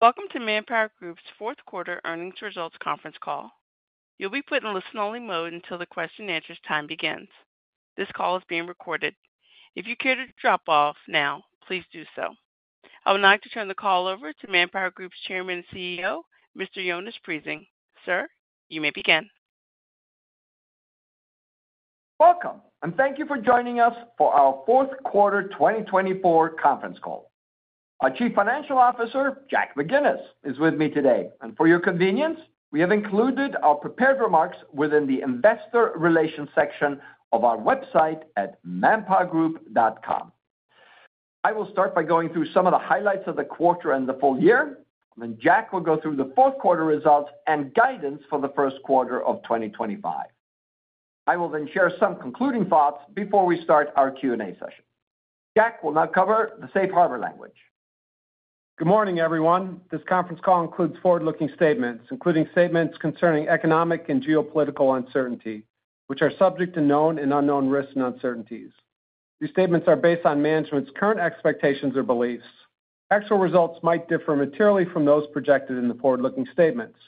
Welcome to ManpowerGroup's fourth quarter earnings results conference call. You'll be put in listen-only mode until the question-and-answer time begins. This call is being recorded. If you care to drop off now, please do so. I would like to turn the call over to ManpowerGroup's Chairman and CEO, Mr. Jonas Prising. Sir, you may begin. Welcome, and thank you for joining us for our fourth quarter 2024 conference call. Our Chief Financial Officer, Jack McGinnis, is with me today, and for your convenience, we have included our prepared remarks within the Investor Relations section of our website at ManpowerGroup.com. I will start by going through some of the highlights of the quarter and the full year, and then Jack will go through the fourth quarter results and guidance for the first quarter of 2025. I will then share some concluding thoughts before we start our Q&A session. Jack will now cover the safe harbor language. Good morning, everyone. This conference call includes forward-looking statements, including statements concerning economic and geopolitical uncertainty, which are subject to known and unknown risks and uncertainties. These statements are based on management's current expectations or beliefs. Actual results might differ materially from those projected in the forward-looking statements.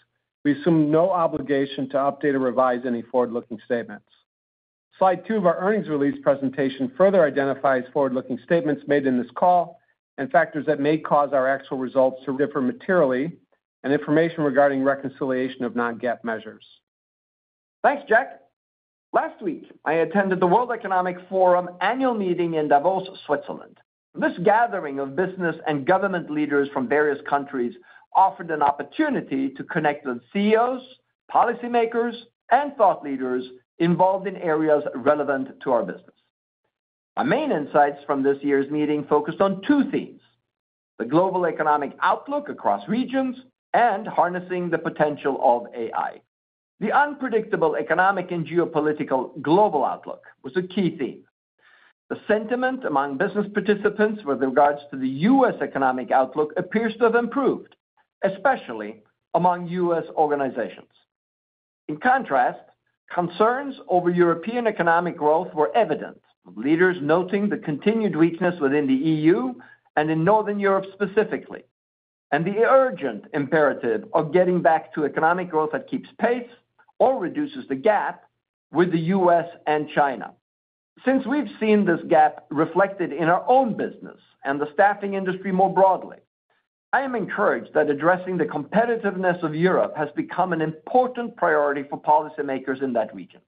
We assume no obligation to update or revise any forward-looking statements. Slide two of our earnings release presentation further identifies forward-looking statements made in this call and factors that may cause our actual results to differ materially and information regarding reconciliation of non-GAAP measures. Thanks, Jack. Last week, I attended the World Economic Forum annual meeting in Davos, Switzerland. This gathering of business and government leaders from various countries offered an opportunity to connect with CEOs, policymakers, and thought leaders involved in areas relevant to our business. Our main insights from this year's meeting focused on two themes: the global economic outlook across regions and harnessing the potential of AI. The unpredictable economic and geopolitical global outlook was a key theme. The sentiment among business participants with regards to the U.S. economic outlook appears to have improved, especially among U.S. organizations. In contrast, concerns over European economic growth were evident, with leaders noting the continued weakness within the EU and in Northern Europe specifically, and the urgent imperative of getting back to economic growth that keeps pace or reduces the gap with the U.S. and China. Since we've seen this gap reflected in our own business and the staffing industry more broadly, I am encouraged that addressing the competitiveness of Europe has become an important priority for policymakers in that region.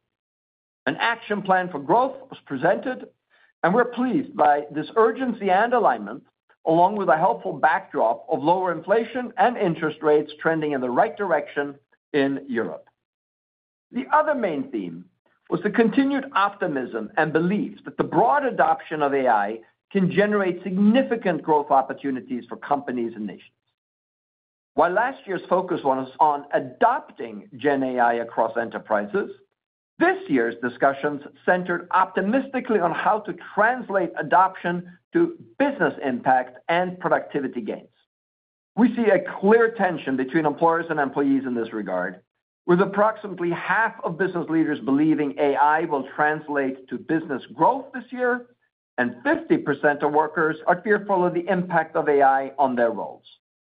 An action plan for growth was presented, and we're pleased by this urgency and alignment, along with a helpful backdrop of lower inflation and interest rates trending in the right direction in Europe. The other main theme was the continued optimism and belief that the broad adoption of AI can generate significant growth opportunities for companies and nations. While last year's focus was on adopting GenAI across enterprises, this year's discussions centered optimistically on how to translate adoption to business impact and productivity gains. We see a clear tension between employers and employees in this regard, with approximately half of business leaders believing AI will translate to business growth this year, and 50% of workers are fearful of the impact of AI on their roles.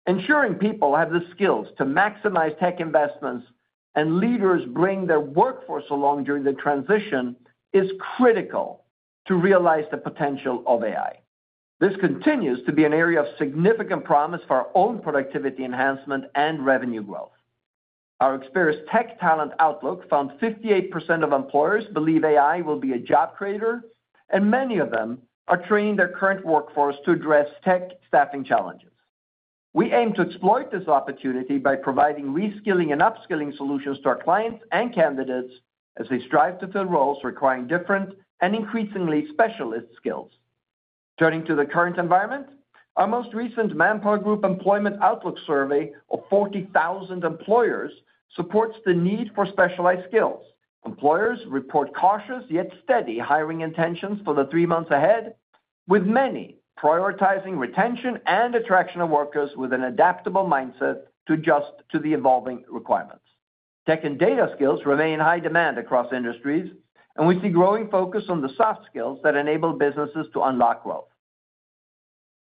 Ensuring people have the skills to maximize tech investments and leaders bring their workforce along during the transition is critical to realize the potential of AI. This continues to be an area of significant promise for our own productivity enhancement and revenue growth. Our Experis Tech Talent Outlook found 58% of employers believe AI will be a job creator, and many of them are training their current workforce to address tech staffing challenges. We aim to exploit this opportunity by providing reskilling and upskilling solutions to our clients and candidates as they strive to fill roles requiring different and increasingly specialized skills. Turning to the current environment, our most recent ManpowerGroup Employment Outlook Survey of 40,000 employers supports the need for specialized skills. Employers report cautious yet steady hiring intentions for the three months ahead, with many prioritizing retention and attraction of workers with an adaptable mindset to adjust to the evolving requirements. Tech and data skills remain in high demand across industries, and we see growing focus on the soft skills that enable businesses to unlock growth.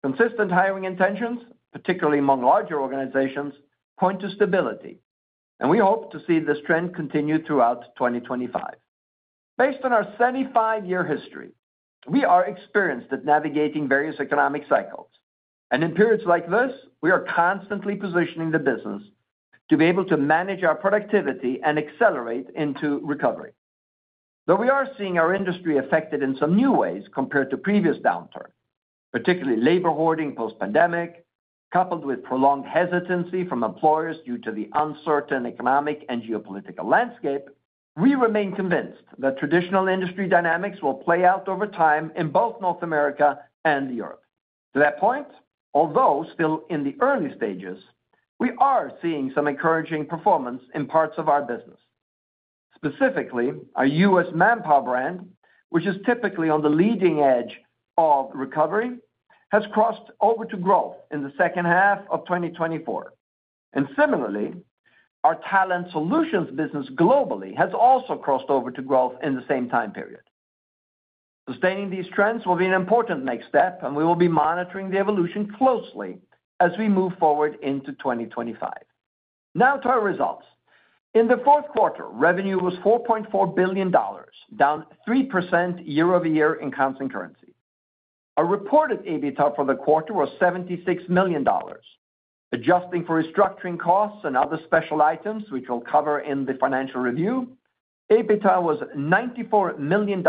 Consistent hiring intentions, particularly among larger organizations, point to stability, and we hope to see this trend continue throughout 2025. Based on our 75-year history, we are experienced at navigating various economic cycles, and in periods like this, we are constantly positioning the business to be able to manage our productivity and accelerate into recovery. Though we are seeing our industry affected in some new ways compared to previous downturns, particularly labor hoarding post-pandemic, coupled with prolonged hesitancy from employers due to the uncertain economic and geopolitical landscape, we remain convinced that traditional industry dynamics will play out over time in both North America and Europe. To that point, although still in the early stages, we are seeing some encouraging performance in parts of our business. Specifically, our U.S. Manpower brand, which is typically on the leading edge of recovery, has crossed over to growth in the second half of 2024, and similarly, our Talent Solutions business globally has also crossed over to growth in the same time period. Sustaining these trends will be an important next step, and we will be monitoring the evolution closely as we move forward into 2025. Now to our results. In the fourth quarter, revenue was $4.4 billion, down 3% year-over-year in constant currency. Our reported EBITDA for the quarter was $76 million, adjusting for restructuring costs and other special items, which we'll cover in the financial review. EBITDA was $94 million,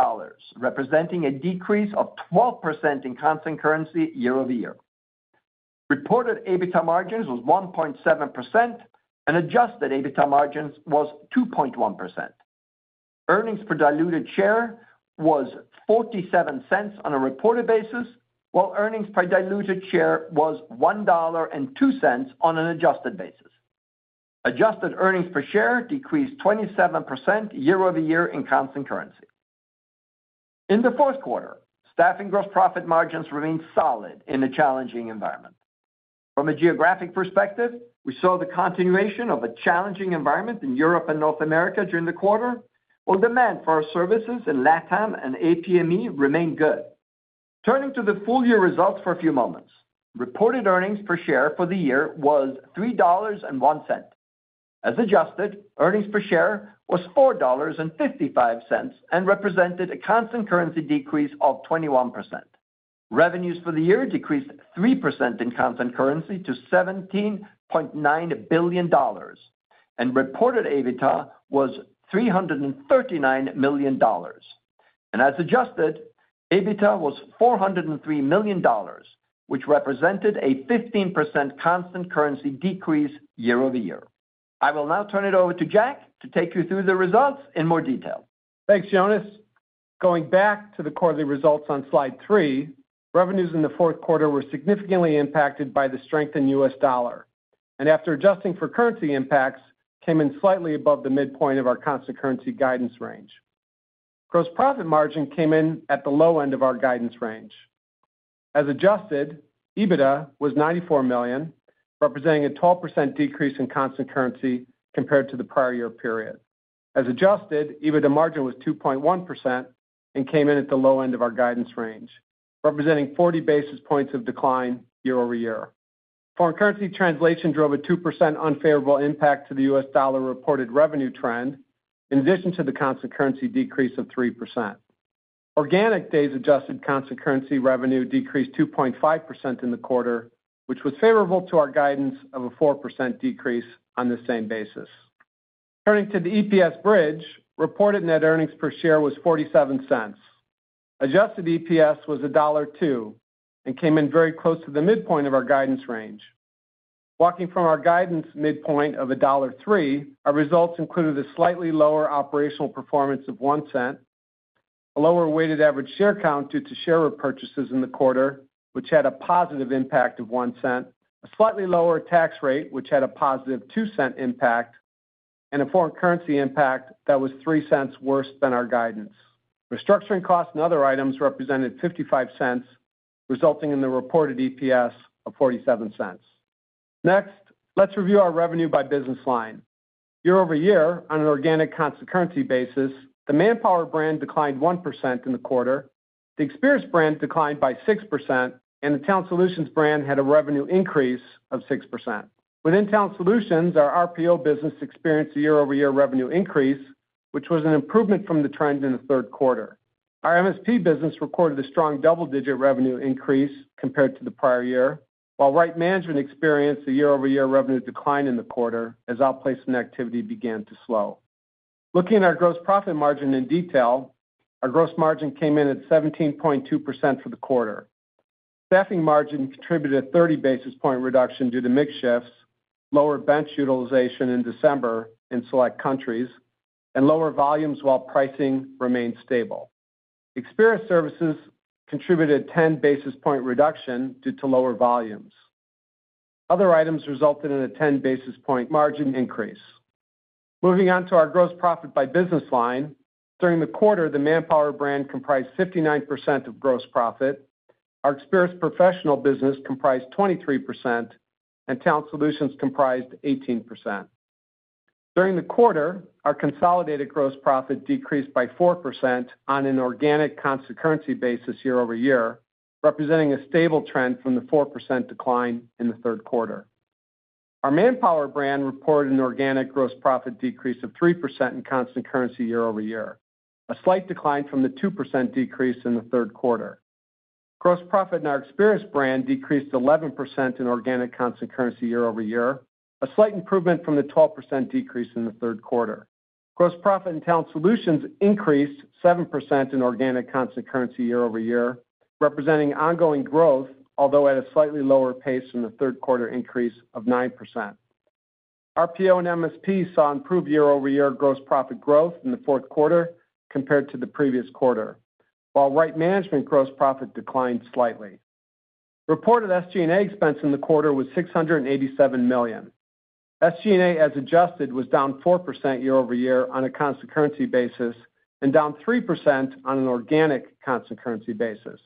representing a decrease of 12% in constant currency year-over-year. Reported EBITDA margins was 1.7%, and adjusted EBITDA margins was 2.1%. Earnings per diluted share was $0.47 on a reported basis, while earnings per diluted share was $1.02 on an adjusted basis. Adjusted earnings per share decreased 27% year-over-year in constant currency. In the fourth quarter, staffing gross profit margins remained solid in a challenging environment. From a geographic perspective, we saw the continuation of a challenging environment in Europe and North America during the quarter, while demand for our services in LATAM and APME remained good. Turning to the full-year results for a few moments, reported earnings per share for the year was $3.01. As adjusted, earnings per share was $4.55 and represented a constant currency decrease of 21%. Revenues for the year decreased 3% in constant currency to $17.9 billion, and reported EBITDA was $339 million, and as adjusted, EBITDA was $403 million, which represented a 15% constant currency decrease year-over-year. I will now turn it over to Jack to take you through the results in more detail. Thanks, Jonas. Going back to the quarterly results on slide three, revenues in the fourth quarter were significantly impacted by the strength in U.S. dollar, and after adjusting for currency impacts, came in slightly above the midpoint of our constant currency guidance range. Gross profit margin came in at the low end of our guidance range. As adjusted, EBITDA was $94 million, representing a 12% decrease in constant currency compared to the prior year period. As adjusted, EBITDA margin was 2.1% and came in at the low end of our guidance range, representing 40 basis points of decline year-over-year. Foreign currency translation drove a 2% unfavorable impact to the U.S. dollar reported revenue trend, in addition to the constant currency decrease of 3%. Organic days adjusted constant currency revenue decreased 2.5% in the quarter, which was favorable to our guidance of a 4% decrease on the same basis. Turning to the EPS bridge, reported net earnings per share was $0.47. Adjusted EPS was $1.02 and came in very close to the midpoint of our guidance range. Walking from our guidance midpoint of $1.03, our results included a slightly lower operational performance of $0.01, a lower weighted average share count due to share repurchases in the quarter, which had a positive impact of $0.01, a slightly lower tax rate, which had a positive $0.02 impact, and a foreign currency impact that was $0.03 worse than our guidance. Restructuring costs and other items represented $0.55, resulting in the reported EPS of $0.47. Next, let's review our revenue by business line. Year-over-year, on an organic constant currency basis, the Manpower brand declined 1% in the quarter, the Experis brand declined by 6%, and the Talent Solutions brand had a revenue increase of 6%. Within Talent Solutions, our RPO business experienced a year-over-year revenue increase, which was an improvement from the trend in the third quarter. Our MSP business recorded a strong double-digit revenue increase compared to the prior year, while Right Management experienced a year-over-year revenue decline in the quarter as outplacement activity began to slow. Looking at our gross profit margin in detail, our gross margin came in at 17.2% for the quarter. Staffing margin contributed a 30 basis points reduction due to mixed shifts, lower bench utilization in December in select countries, and lower volumes while pricing remained stable. Experis services contributed a 10 basis points reduction due to lower volumes. Other items resulted in a 10 basis points margin increase. Moving on to our gross profit by business line, during the quarter, the Manpower brand comprised 59% of gross profit. Our Experis professional business comprised 23%, and Talent Solutions comprised 18%. During the quarter, our consolidated gross profit decreased by 4% on an organic constant currency basis year-over-year, representing a stable trend from the 4% decline in the third quarter. Our Manpower brand reported an organic gross profit decrease of 3% in constant currency year-over-year, a slight decline from the 2% decrease in the third quarter. Gross profit in our Experis brand decreased 11% in organic constant currency year-over-year, a slight improvement from the 12% decrease in the third quarter. Gross profit in Talent Solutions increased 7% in organic constant currency year-over-year, representing ongoing growth, although at a slightly lower pace from the third quarter increase of 9%. RPO and MSP saw improved year-over-year gross profit growth in the fourth quarter compared to the previous quarter, while Right Management gross profit declined slightly. Reported SG&A expense in the quarter was $687 million. SG&A, as adjusted, was down 4% year-over-year on a constant currency basis and down 3% on an organic constant currency basis.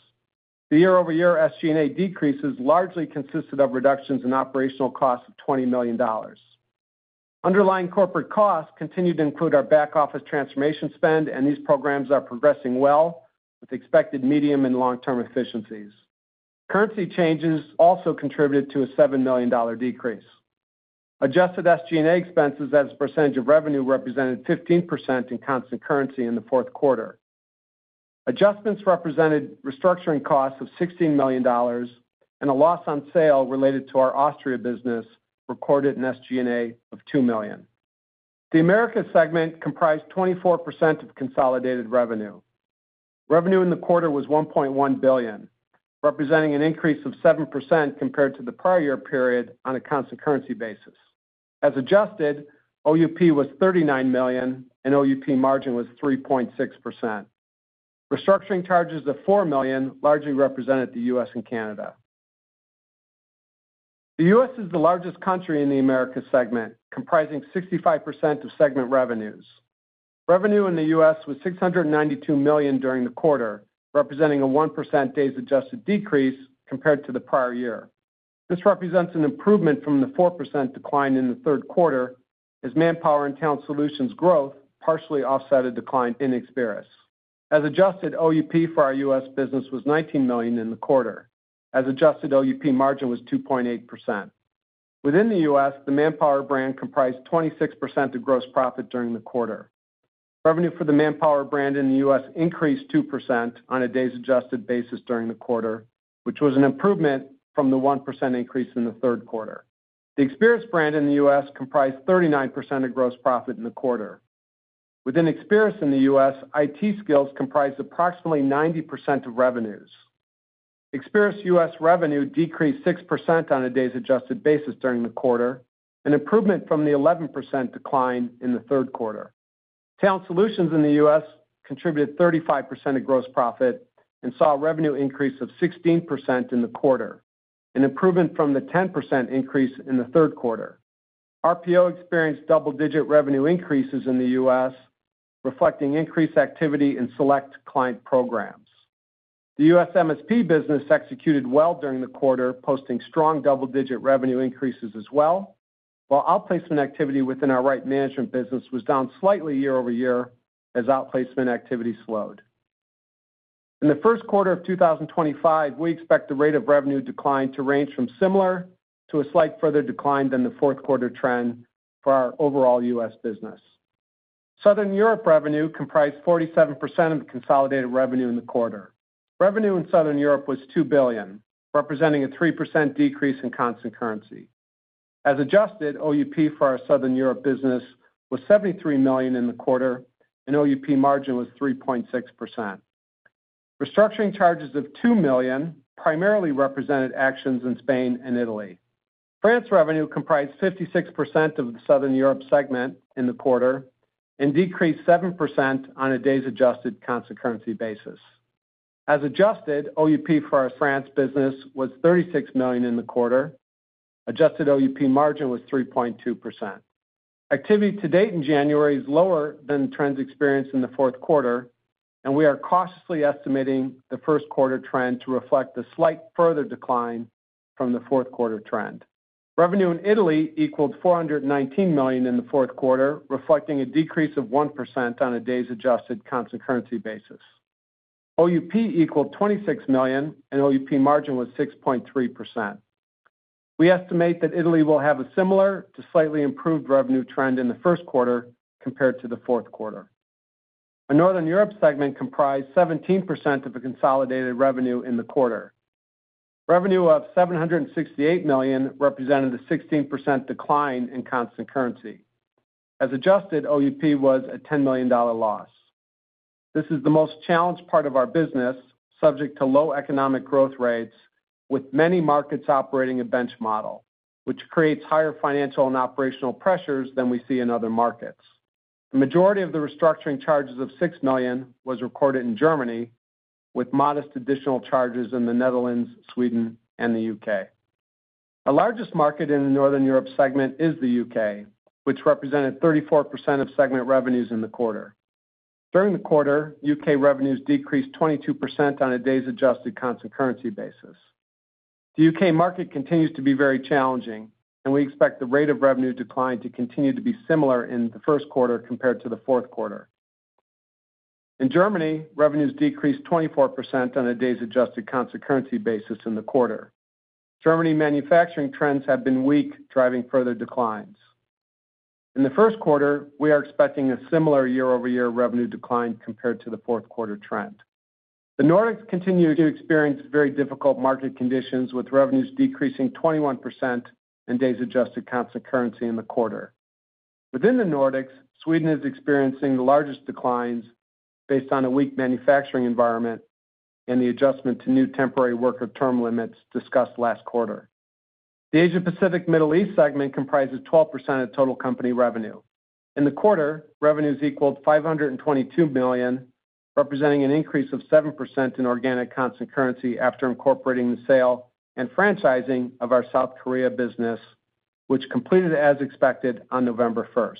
The year-over-year SG&A decreases largely consisted of reductions in operational costs of $20 million. Underlying corporate costs continued to include our back office transformation spend, and these programs are progressing well with expected medium and long-term efficiencies. Currency changes also contributed to a $7 million decrease. Adjusted SG&A expenses as a percentage of revenue represented 15% in constant currency in the fourth quarter. Adjustments represented restructuring costs of $16 million and a loss on sale related to our Austria business recorded in SG&A of $2 million. The Americas segment comprised 24% of consolidated revenue. Revenue in the quarter was $1.1 billion, representing an increase of 7% compared to the prior year period on a constant currency basis. As adjusted, OUP was $39 million, and OUP margin was 3.6%. Restructuring charges of $4 million largely represented the U.S. and Canada. The U.S. is the largest country in the Americas segment, comprising 65% of segment revenues. Revenue in the U.S. was $692 million during the quarter, representing a 1% days adjusted decrease compared to the prior year. This represents an improvement from the 4% decline in the third quarter, as Manpower and Talent Solutions growth partially offset a decline in Experis. As adjusted, OUP for our U.S. business was $19 million in the quarter. As adjusted, OUP margin was 2.8%. Within the U.S., the Manpower brand comprised 26% of gross profit during the quarter. Revenue for the Manpower brand in the U.S. increased 2% on a days adjusted basis during the quarter, which was an improvement from the 1% increase in the third quarter. The Experis brand in the U.S. comprised 39% of gross profit in the quarter. Within Experis in the U.S., IT skills comprised approximately 90% of revenues. Experis U.S. revenue decreased 6% on a days adjusted basis during the quarter, an improvement from the 11% decline in the third quarter. Talent Solutions in the U.S. contributed 35% of gross profit and saw a revenue increase of 16% in the quarter, an improvement from the 10% increase in the third quarter. RPO experienced double-digit revenue increases in the U.S., reflecting increased activity in select client programs. The U.S. MSP business executed well during the quarter, posting strong double-digit revenue increases as well, while outplacement activity within our Right Management business was down slightly year-over-year as outplacement activity slowed. In the first quarter of 2025, we expect the rate of revenue decline to range from similar to a slight further decline than the fourth quarter trend for our overall U.S. business. Southern Europe revenue comprised 47% of the consolidated revenue in the quarter. Revenue in Southern Europe was $2 billion, representing a 3% decrease in constant currency. As adjusted, OUP for our Southern Europe business was $73 million in the quarter, and OUP margin was 3.6%. Restructuring charges of $2 million primarily represented actions in Spain and Italy. France revenue comprised 56% of the Southern Europe segment in the quarter and decreased 7% on a days adjusted constant currency basis. As adjusted, OUP for our France business was $36 million in the quarter. Adjusted OUP margin was 3.2%. Activity to date in January is lower than the trends experienced in the fourth quarter, and we are cautiously estimating the first quarter trend to reflect a slight further decline from the fourth quarter trend. Revenue in Italy equaled $419 million in the fourth quarter, reflecting a decrease of 1% on a days adjusted constant currency basis. OUP equaled $26 million, and OUP margin was 6.3%. We estimate that Italy will have a similar to slightly improved revenue trend in the first quarter compared to the fourth quarter. Our Northern Europe segment comprised 17% of the consolidated revenue in the quarter. Revenue of $768 million represented a 16% decline in constant currency. As adjusted, OUP was a $10 million loss. This is the most challenged part of our business, subject to low economic growth rates, with many markets operating a bench model, which creates higher financial and operational pressures than we see in other markets. The majority of the restructuring charges of $6 million was recorded in Germany, with modest additional charges in the Netherlands, Sweden, and the U.K. Our largest market in the Northern Europe segment is the U.K., which represented 34% of segment revenues in the quarter. During the quarter, U.K. revenues decreased 22% on a days adjusted constant currency basis. The U.K. market continues to be very challenging, and we expect the rate of revenue decline to continue to be similar in the first quarter compared to the fourth quarter. In Germany, revenues decreased 24% on a days adjusted constant currency basis in the quarter. German manufacturing trends have been weak, driving further declines. In the first quarter, we are expecting a similar year-over-year revenue decline compared to the fourth quarter trend. The Nordics continue to experience very difficult market conditions, with revenues decreasing 21% and days adjusted constant currency in the quarter. Within the Nordics, Sweden is experiencing the largest declines based on a weak manufacturing environment and the adjustment to new temporary worker term limits discussed last quarter. The Asia Pacific Middle East segment comprises 12% of total company revenue. In the quarter, revenues equaled $522 million, representing an increase of 7% in organic constant currency after incorporating the sale and franchising of our South Korea business, which completed as expected on November 1st.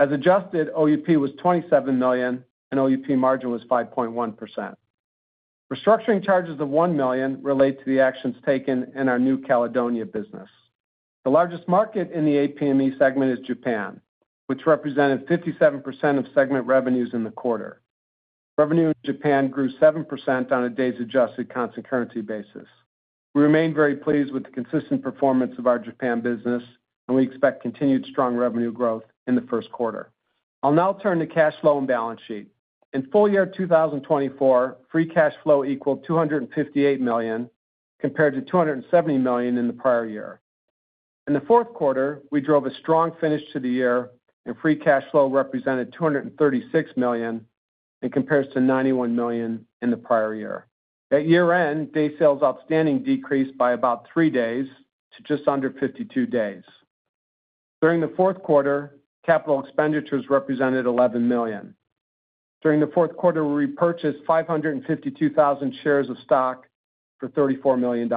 As adjusted, OUP was $27 million, and OUP margin was 5.1%. Restructuring charges of $1 million relate to the actions taken in our New Caledonia business. The largest market in the APME segment is Japan, which represented 57% of segment revenues in the quarter. Revenue in Japan grew 7% on a days adjusted constant currency basis. We remain very pleased with the consistent performance of our Japan business, and we expect continued strong revenue growth in the first quarter. I'll now turn to cash flow and balance sheet. In full year 2024, free cash flow equaled $258 million compared to $270 million in the prior year. In the fourth quarter, we drove a strong finish to the year, and free cash flow represented $236 million in comparison to $91 million in the prior year. At year-end, days sales outstanding decreased by about three days to just under 52 days. During the fourth quarter, capital expenditures represented $11 million. During the fourth quarter, we repurchased 552,000 shares of stock for $34 million.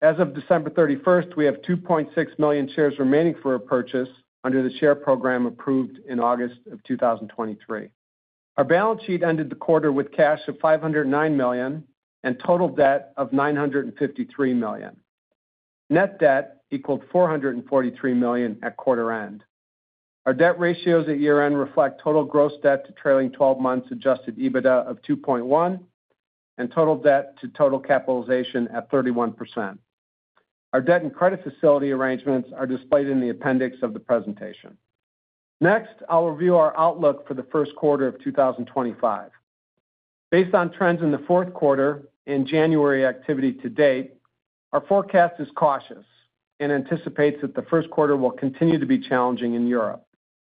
As of December 31st, we have 2.6 million shares remaining for repurchase under the share program approved in August of 2023. Our balance sheet ended the quarter with cash of $509 million and total debt of $953 million. Net debt equaled $443 million at quarter end. Our debt ratios at year-end reflect total gross debt to trailing 12 months adjusted EBITDA of 2.1 and total debt to total capitalization at 31%. Our debt and credit facility arrangements are displayed in the appendix of the presentation. Next, I'll review our outlook for the first quarter of 2025. Based on trends in the fourth quarter and January activity to date, our forecast is cautious and anticipates that the first quarter will continue to be challenging in Europe.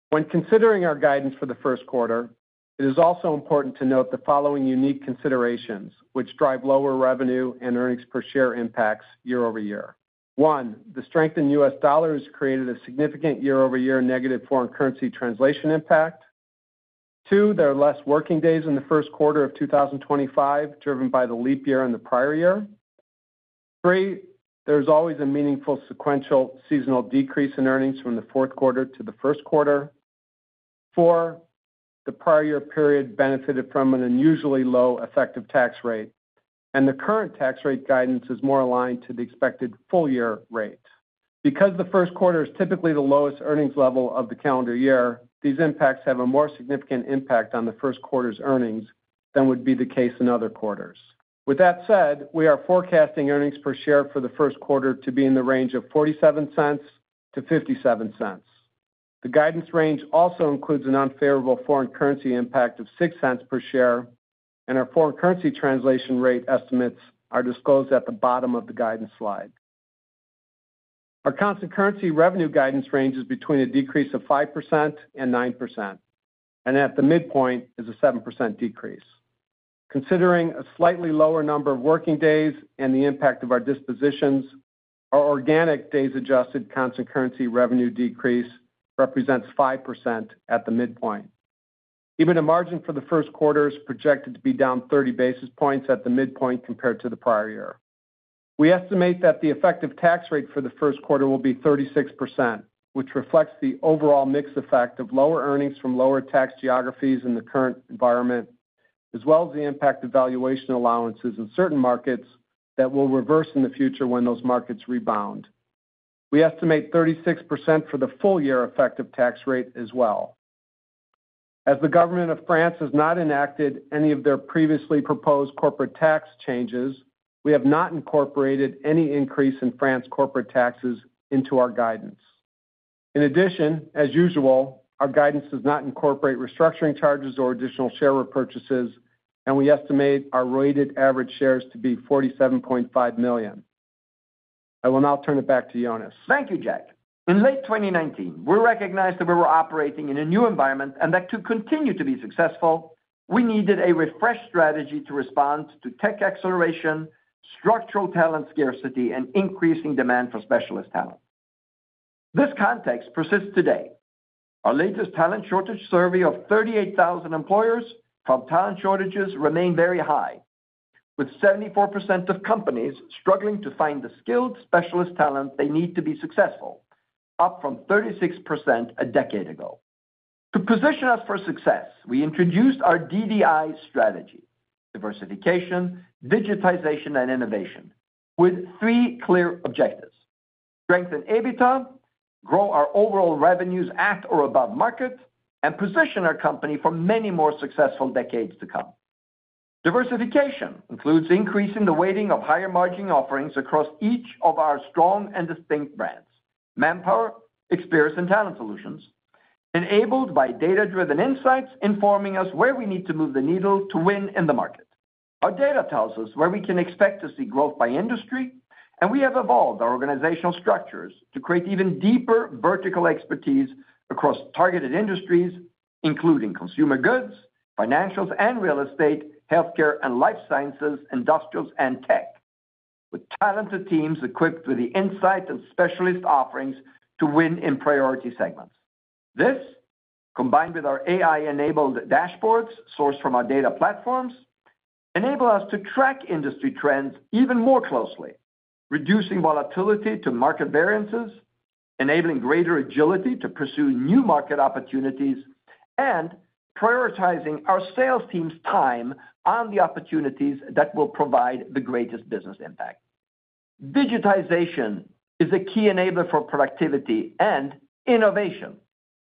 When considering our guidance for the first quarter, it is also important to note the following unique considerations, which drive lower revenue and earnings per share impacts year-over-year. One, the strengthened U.S. dollar has created a significant year-over-year negative foreign currency translation impact. Two, there are less working days in the first quarter of 2025 driven by the leap year in the prior year. Three, there is always a meaningful sequential seasonal decrease in earnings from the fourth quarter to the first quarter. Four, the prior year period benefited from an unusually low effective tax rate, and the current tax rate guidance is more aligned to the expected full year rate. Because the first quarter is typically the lowest earnings level of the calendar year, these impacts have a more significant impact on the first quarter's earnings than would be the case in other quarters. With that said, we are forecasting earnings per share for the first quarter to be in the range of $0.47-$0.57. The guidance range also includes an unfavorable foreign currency impact of $0.06 per share, and our foreign currency translation rate estimates are disclosed at the bottom of the guidance slide. Our constant currency revenue guidance range is between a decrease of 5%-9%, and at the midpoint is a 7% decrease. Considering a slightly lower number of working days and the impact of our dispositions, our organic days adjusted constant currency revenue decrease represents 5% at the midpoint. EBITDA margin for the first quarter is projected to be down 30 basis points at the midpoint compared to the prior year. We estimate that the effective tax rate for the first quarter will be 36%, which reflects the overall mixed effect of lower earnings from lower tax geographies in the current environment, as well as the impact of valuation allowances in certain markets that will reverse in the future when those markets rebound. We estimate 36% for the full year effective tax rate as well. As the government of France has not enacted any of their previously proposed corporate tax changes, we have not incorporated any increase in France corporate taxes into our guidance. In addition, as usual, our guidance does not incorporate restructuring charges or additional share repurchases, and we estimate our weighted average shares to be $47.5 million. I will now turn it back to Jonas. Thank you, Jack. In late 2019, we recognized that we were operating in a new environment and that to continue to be successful, we needed a refreshed strategy to respond to tech acceleration, structural talent scarcity, and increasing demand for specialist talent. This context persists today. Our latest talent shortage survey of 38,000 employers found talent shortages remain very high, with 74% of companies struggling to find the skilled specialist talent they need to be successful, up from 36% a decade ago. To position us for success, we introduced our DDI strategy: diversification, digitization, and innovation, with three clear objectives: strengthen EBITDA, grow our overall revenues at or above market, and position our company for many more successful decades to come. Diversification includes increasing the weighting of higher margin offerings across each of our strong and distinct brands: Manpower, Experis, and Talent Solutions, enabled by data-driven insights informing us where we need to move the needle to win in the market. Our data tells us where we can expect to see growth by industry, and we have evolved our organizational structures to create even deeper vertical expertise across targeted industries, including consumer goods, financials and real estate, healthcare and life sciences, industrials, and tech, with talented teams equipped with the insight and specialist offerings to win in priority segments. This, combined with our AI-enabled dashboards sourced from our data platforms, enables us to track industry trends even more closely, reducing volatility to market variances, enabling greater agility to pursue new market opportunities, and prioritizing our sales team's time on the opportunities that will provide the greatest business impact. Digitization is a key enabler for productivity and innovation,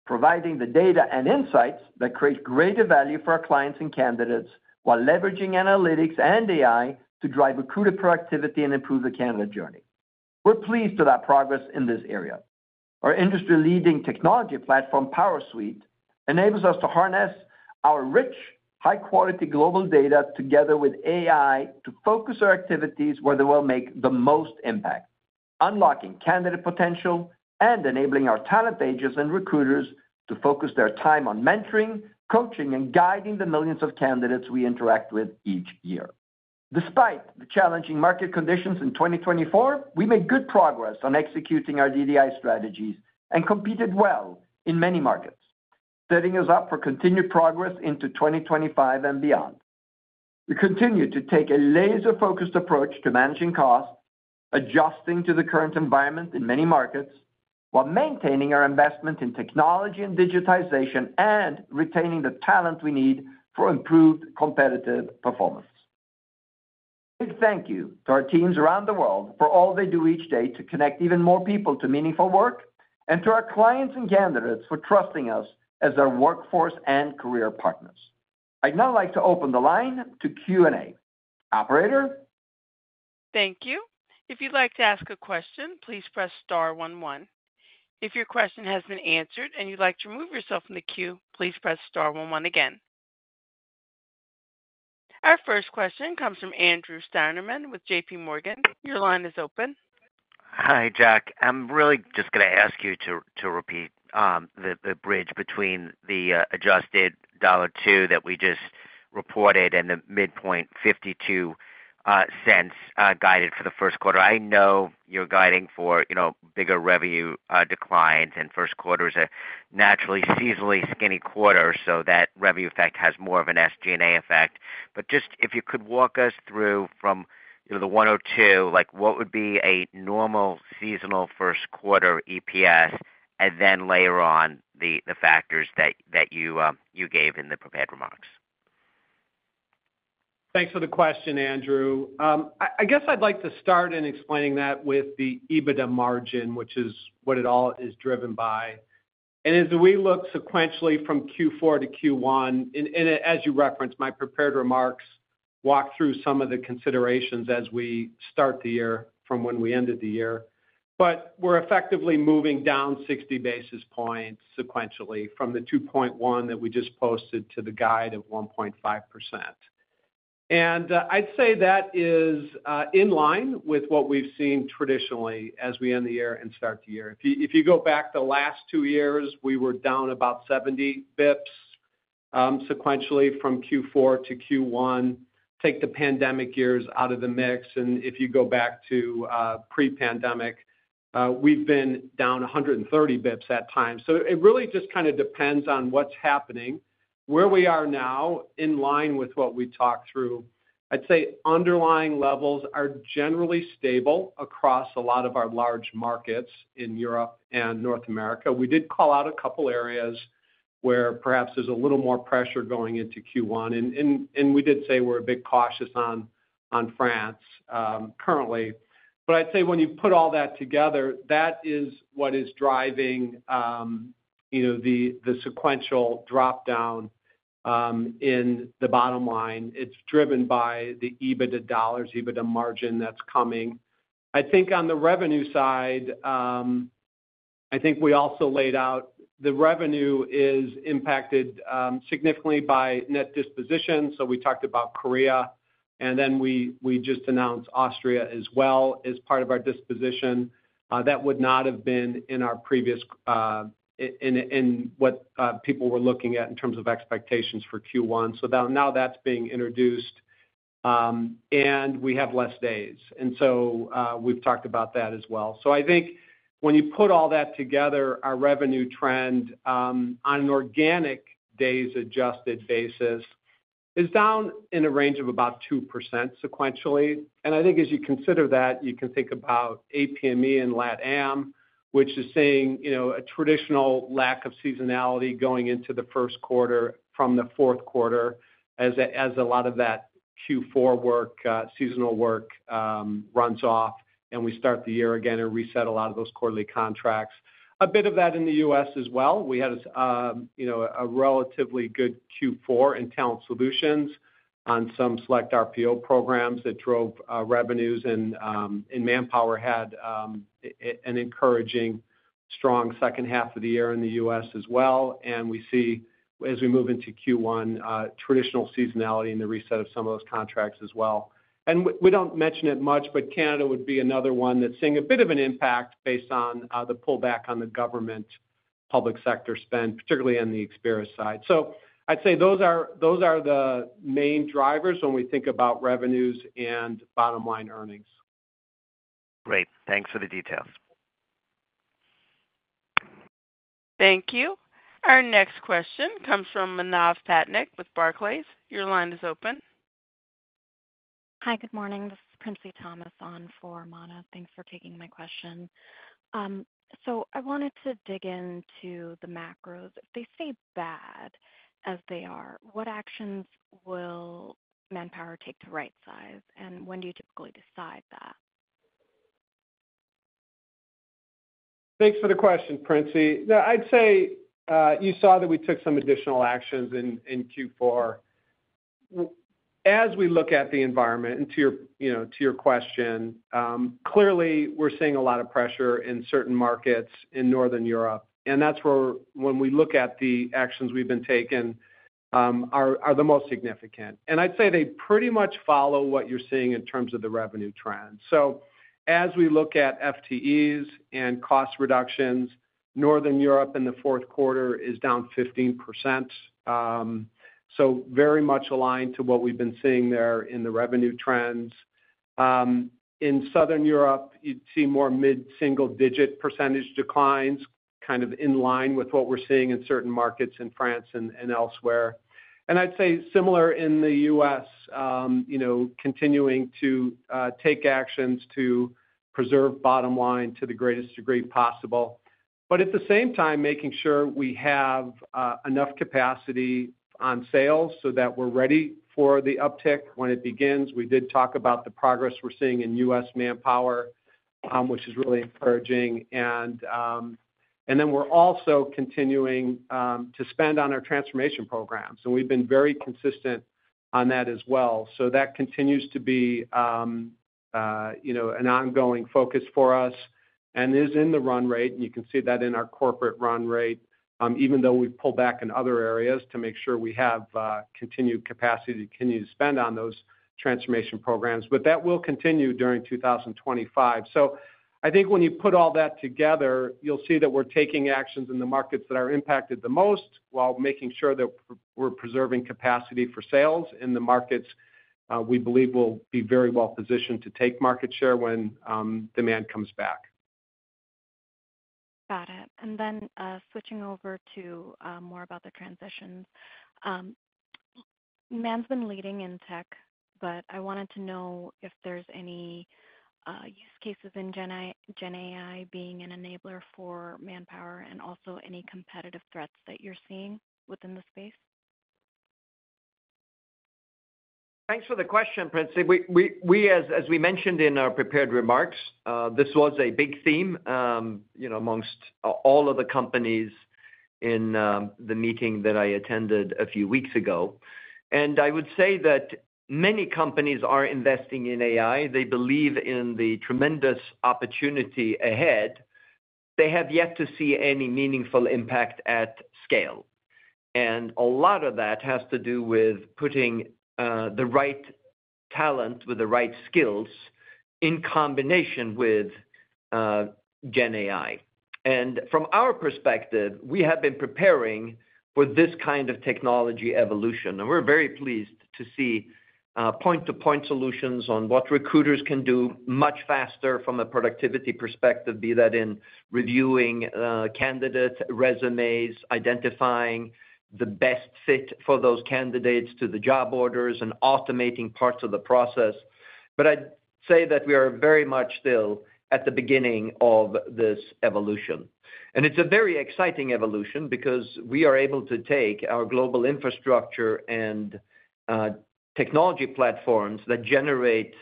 providing the data and insights that create greater value for our clients and candidates while leveraging analytics and AI to drive accrued productivity and improve the candidate journey. We're pleased with our progress in this area. Our industry-leading technology platform, PowerSuite, enables us to harness our rich, high-quality global data together with AI to focus our activities where they will make the most impact, unlocking candidate potential and enabling our talent agents and recruiters to focus their time on mentoring, coaching, and guiding the millions of candidates we interact with each year. Despite the challenging market conditions in 2024, we made good progress on executing our DDI strategies and competed well in many markets, setting us up for continued progress into 2025 and beyond. We continue to take a laser-focused approach to managing costs, adjusting to the current environment in many markets, while maintaining our investment in technology and digitization and retaining the talent we need for improved competitive performance. Big thank you to our teams around the world for all they do each day to connect even more people to meaningful work and to our clients and candidates for trusting us as their workforce and career partners. I'd now like to open the line to Q&A. Operator? Thank you. If you'd like to ask a question, please press star 11. If your question has been answered and you'd like to remove yourself from the queue, please press star 11 again. Our first question comes from Andrew Steinerman with JPMorgan. Your line is open. Hi, Jack. I'm really just going to ask you to repeat the bridge between the adjusted $1.02 that we just reported and the midpoint $0.52 guided for the first quarter. I know you're guiding for bigger revenue declines, and first quarter is a naturally seasonally skinny quarter, so that revenue effect has more of an SG&A effect. But just if you could walk us through from the 102, what would be a normal seasonal first quarter EPS, and then layer on the factors that you gave in the prepared remarks? Thanks for the question, Andrew. I guess I'd like to start in explaining that with the EBITDA margin, which is what it all is driven by. And as we look sequentially from Q4 to Q1, and as you referenced, my prepared remarks walk through some of the considerations as we start the year from when we ended the year. We're effectively moving down 60 basis points sequentially from the 2.1% that we just posted to the guide of 1.5%. I'd say that is in line with what we've seen traditionally as we end the year and start the year. If you go back the last two years, we were down about 70 basis points sequentially from Q4 to Q1. Take the pandemic years out of the mix, and if you go back to pre-pandemic, we've been down 130 basis points at times. So it really just kind of depends on what's happening. Where we are now, in line with what we talked through, I'd say underlying levels are generally stable across a lot of our large markets in Europe and North America. We did call out a couple of areas where perhaps there's a little more pressure going into Q1, and we did say we're a bit cautious on France currently. But I'd say when you put all that together, that is what is driving the sequential dropdown in the bottom line. It's driven by the EBITDA dollars, EBITDA margin that's coming. I think on the revenue side, I think we also laid out the revenue is impacted significantly by net disposition. So we talked about Korea, and then we just announced Austria as well as part of our disposition. That would not have been in our previous in what people were looking at in terms of expectations for Q1. So now that's being introduced, and we have less days. And so we've talked about that as well. So I think when you put all that together, our revenue trend on an organic days adjusted basis is down in a range of about 2% sequentially. And I think as you consider that, you can think about APME and LatAm, which is seeing a traditional lack of seasonality going into the first quarter from the fourth quarter as a lot of that Q4 work, seasonal work runs off, and we start the year again and reset a lot of those quarterly contracts. A bit of that in the U.S. as well. We had a relatively good Q4 in Talent Solutions on some select RPO programs that drove revenues, and Manpower had an encouraging strong second half of the year in the U.S. as well. And we see, as we move into Q1, traditional seasonality in the reset of some of those contracts as well. And we don't mention it much, but Canada would be another one that's seeing a bit of an impact based on the pullback on the government public sector spend, particularly on the Experis side. So I'd say those are the main drivers when we think about revenues and bottom line earnings. Great. Thanks for the details. Thank you. Our next question comes from Manav Patnaik with Barclays. Your line is open. Hi, good morning. This is Princy Thomas on for Manav. Thanks for taking my question. So I wanted to dig into the macros. If they stay bad as they are, what actions will Manpower take to right-size, and when do you typically decide that? Thanks for the question, Prince. I'd say you saw that we took some additional actions in Q4. As we look at the environment, and to your question, clearly we're seeing a lot of pressure in certain markets in Northern Europe, and that's where when we look at the actions we've been taken are the most significant. And I'd say they pretty much follow what you're seeing in terms of the revenue trends. So as we look at FTEs and cost reductions, Northern Europe in the fourth quarter is down 15%. So very much aligned to what we've been seeing there in the revenue trends. In Southern Europe, you'd see more mid-single-digit percentage declines, kind of in line with what we're seeing in certain markets in France and elsewhere. And I'd say similar in the U.S., continuing to take actions to preserve bottom line to the greatest degree possible. But at the same time, making sure we have enough capacity on sales so that we're ready for the uptick when it begins. We did talk about the progress we're seeing in U.S. Manpower, which is really encouraging. And then we're also continuing to spend on our transformation programs, and we've been very consistent on that as well. So that continues to be an ongoing focus for us and is in the run rate, and you can see that in our corporate run rate, even though we've pulled back in other areas to make sure we have continued capacity to continue to spend on those transformation programs. But that will continue during 2025. So I think when you put all that together, you'll see that we're taking actions in the markets that are impacted the most while making sure that we're preserving capacity for sales in the markets we believe will be very well positioned to take market share when demand comes back. Got it. And then switching over to more about the transitions. Manpower's been leading in tech, but I wanted to know if there's any use cases in GenAI being an enabler for Manpower and also any competitive threats that you're seeing within the space? Thanks for the question, Prising. As we mentioned in our prepared remarks, this was a big theme amongst all of the companies in the meeting that I attended a few weeks ago. And I would say that many companies are investing in AI. They believe in the tremendous opportunity ahead. They have yet to see any meaningful impact at scale, and a lot of that has to do with putting the right talent with the right skills in combination with GenAI, and from our perspective, we have been preparing for this kind of technology evolution, and we're very pleased to see point-to-point solutions on what recruiters can do much faster from a productivity perspective, be that in reviewing candidate resumes, identifying the best fit for those candidates to the job orders, and automating parts of the process, but I'd say that we are very much still at the beginning of this evolution. And it's a very exciting evolution because we are able to take our global infrastructure and technology platforms that generate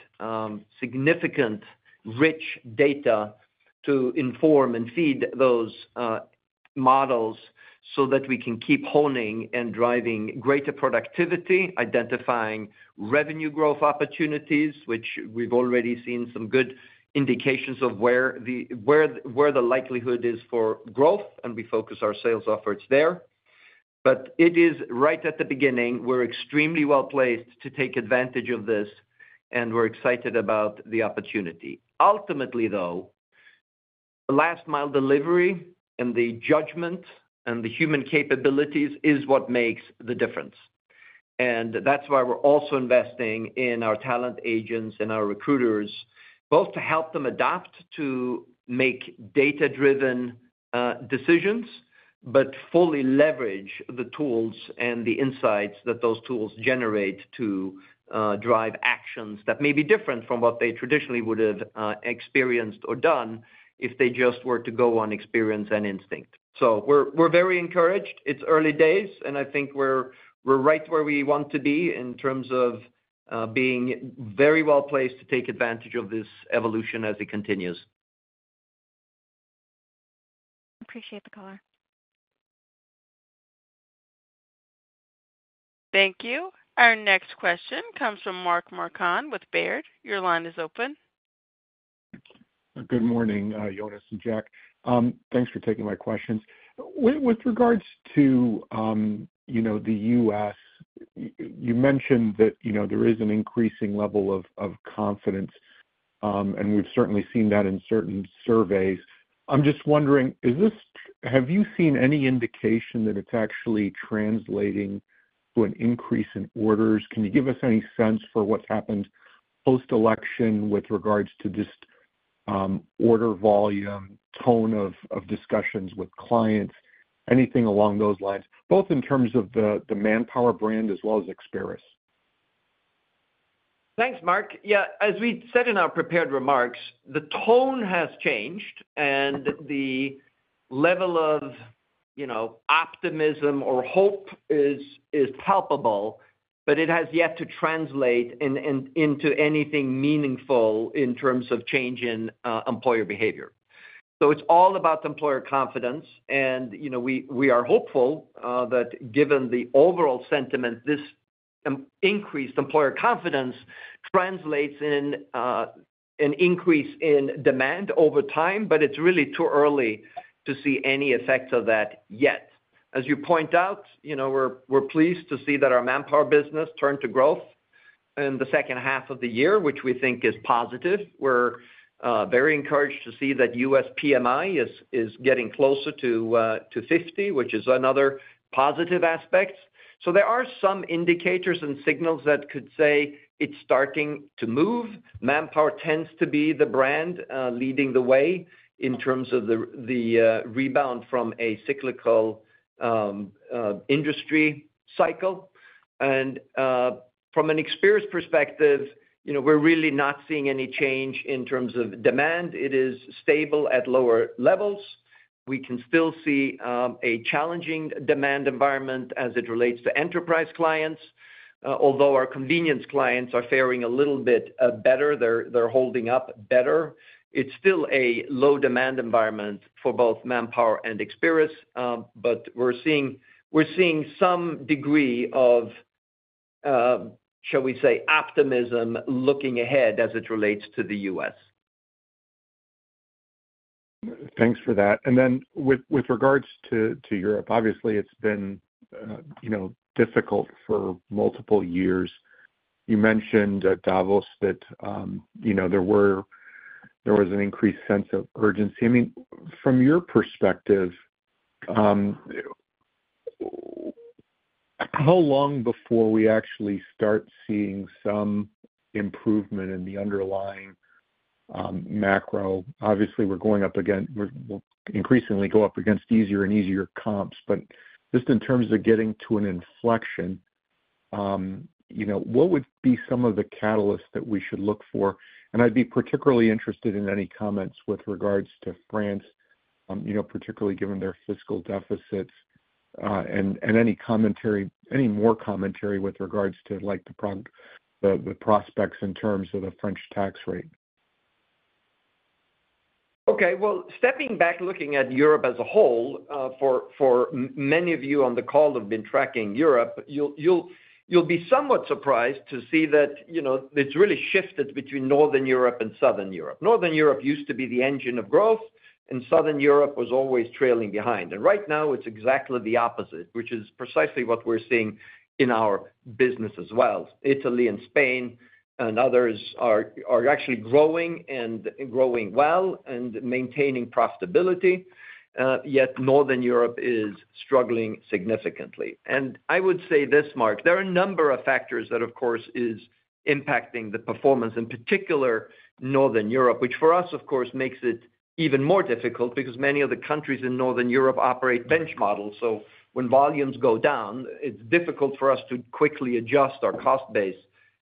significant rich data to inform and feed those models so that we can keep honing and driving greater productivity, identifying revenue growth opportunities, which we've already seen some good indications of where the likelihood is for growth, and we focus our sales efforts there. But it is right at the beginning. We're extremely well placed to take advantage of this, and we're excited about the opportunity. Ultimately, though, last-mile delivery and the judgment and the human capabilities is what makes the difference. And that's why we're also investing in our talent agents and our recruiters, both to help them adapt to make data-driven decisions, but fully leverage the tools and the insights that those tools generate to drive actions that may be different from what they traditionally would have experienced or done if they just were to go on experience and instinct. So we're very encouraged. It's early days, and I think we're right where we want to be in terms of being very well placed to take advantage of this evolution as it continues. Appreciate the color. Thank you. Our next question comes from Mark Marcon with Baird. Your line is open. Good morning, Jonas and Jack. Thanks for taking my questions. With regards to the U.S., you mentioned that there is an increasing level of confidence, and we've certainly seen that in certain surveys. I'm just wondering, have you seen any indication that it's actually translating to an increase in orders? Can you give us any sense for what's happened post-election with regards to just order volume, tone of discussions with clients, anything along those lines, both in terms of the Manpower brand as well as Experis? Thanks, Mark. Yeah. As we said in our prepared remarks, the tone has changed, and the level of optimism or hope is palpable, but it has yet to translate into anything meaningful in terms of change in employer behavior. So it's all about employer confidence, and we are hopeful that given the overall sentiment, this increased employer confidence translates in an increase in demand over time, but it's really too early to see any effects of that yet. As you point out, we're pleased to see that our Manpower business turned to growth in the second half of the year, which we think is positive. We're very encouraged to see that U.S. PMI is getting closer to 50, which is another positive aspect, so there are some indicators and signals that could say it's starting to move. Manpower tends to be the brand leading the way in terms of the rebound from a cyclical industry cycle, and from an Experis perspective, we're really not seeing any change in terms of demand. It is stable at lower levels. We can still see a challenging demand environment as it relates to enterprise clients, although our convenience clients are faring a little bit better; they're holding up better. It's still a low-demand environment for both Manpower and Experis, but we're seeing some degree of, shall we say, optimism looking ahead as it relates to the U.S. Thanks for that. And then with regards to Europe, obviously, it's been difficult for multiple years. You mentioned at Davos that there was an increased sense of urgency. I mean, from your perspective, how long before we actually start seeing some improvement in the underlying macro? Obviously, we're going up against, we'll increasingly go up against easier and easier comps, but just in terms of getting to an inflection, what would be some of the catalysts that we should look for? And I'd be particularly interested in any comments with regards to France, particularly given their fiscal deficits, and any commentary, any more commentary with regards to the prospects in terms of the French tax rate. Okay. Stepping back, looking at Europe as a whole, for many of you on the call who've been tracking Europe, you'll be somewhat surprised to see that it's really shifted between Northern Europe and Southern Europe. Northern Europe used to be the engine of growth, and Southern Europe was always trailing behind. Right now, it's exactly the opposite, which is precisely what we're seeing in our business as well. Italy and Spain and others are actually growing and growing well and maintaining profitability, yet Northern Europe is struggling significantly. I would say this, Mark. There are a number of factors that, of course, are impacting the performance, in particular Northern Europe, which for us, of course, makes it even more difficult because many of the countries in Northern Europe operate bench models. So when volumes go down, it's difficult for us to quickly adjust our cost base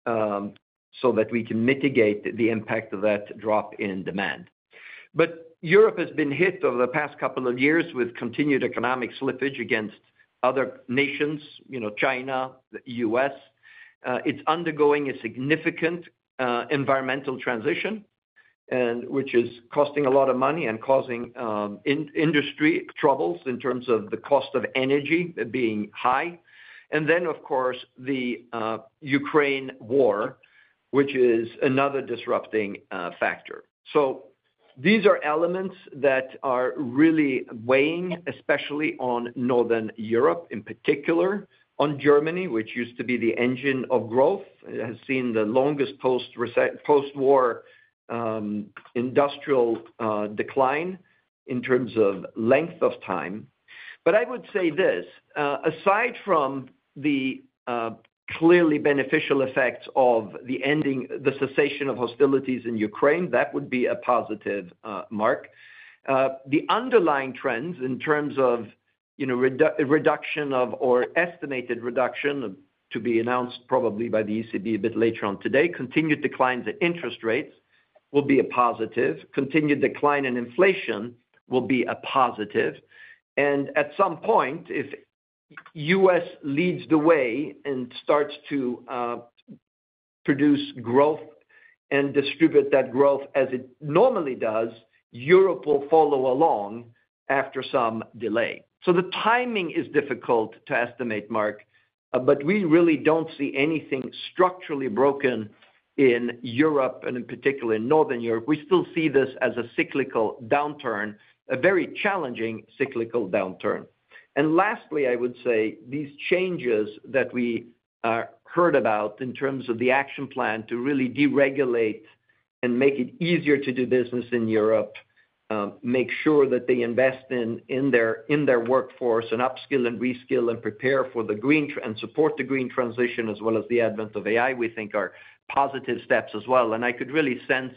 so that we can mitigate the impact of that drop in demand. But Europe has been hit over the past couple of years with continued economic slippage against other nations, China, the U.S. It's undergoing a significant environmental transition, which is costing a lot of money and causing industry troubles in terms of the cost of energy being high. And then, of course, the Ukraine war, which is another disrupting factor. So these are elements that are really weighing, especially on Northern Europe in particular, on Germany, which used to be the engine of growth. It has seen the longest post-war industrial decline in terms of length of time. But I would say this, aside from the clearly beneficial effects of the cessation of hostilities in Ukraine, that would be a positive mark. The underlying trends in terms of reduction or estimated reduction to be announced probably by the ECB a bit later on today. Continued declines in interest rates will be a positive. Continued decline in inflation will be a positive, and at some point, if the U.S. leads the way and starts to produce growth and distribute that growth as it normally does, Europe will follow along after some delay, so the timing is difficult to estimate, Mark, but we really don't see anything structurally broken in Europe and in particular in Northern Europe. We still see this as a cyclical downturn, a very challenging cyclical downturn. And lastly, I would say these changes that we heard about in terms of the action plan to really deregulate and make it easier to do business in Europe, make sure that they invest in their workforce and upskill and reskill and prepare for the green and support the green transition as well as the advent of AI. We think are positive steps as well. I could really sense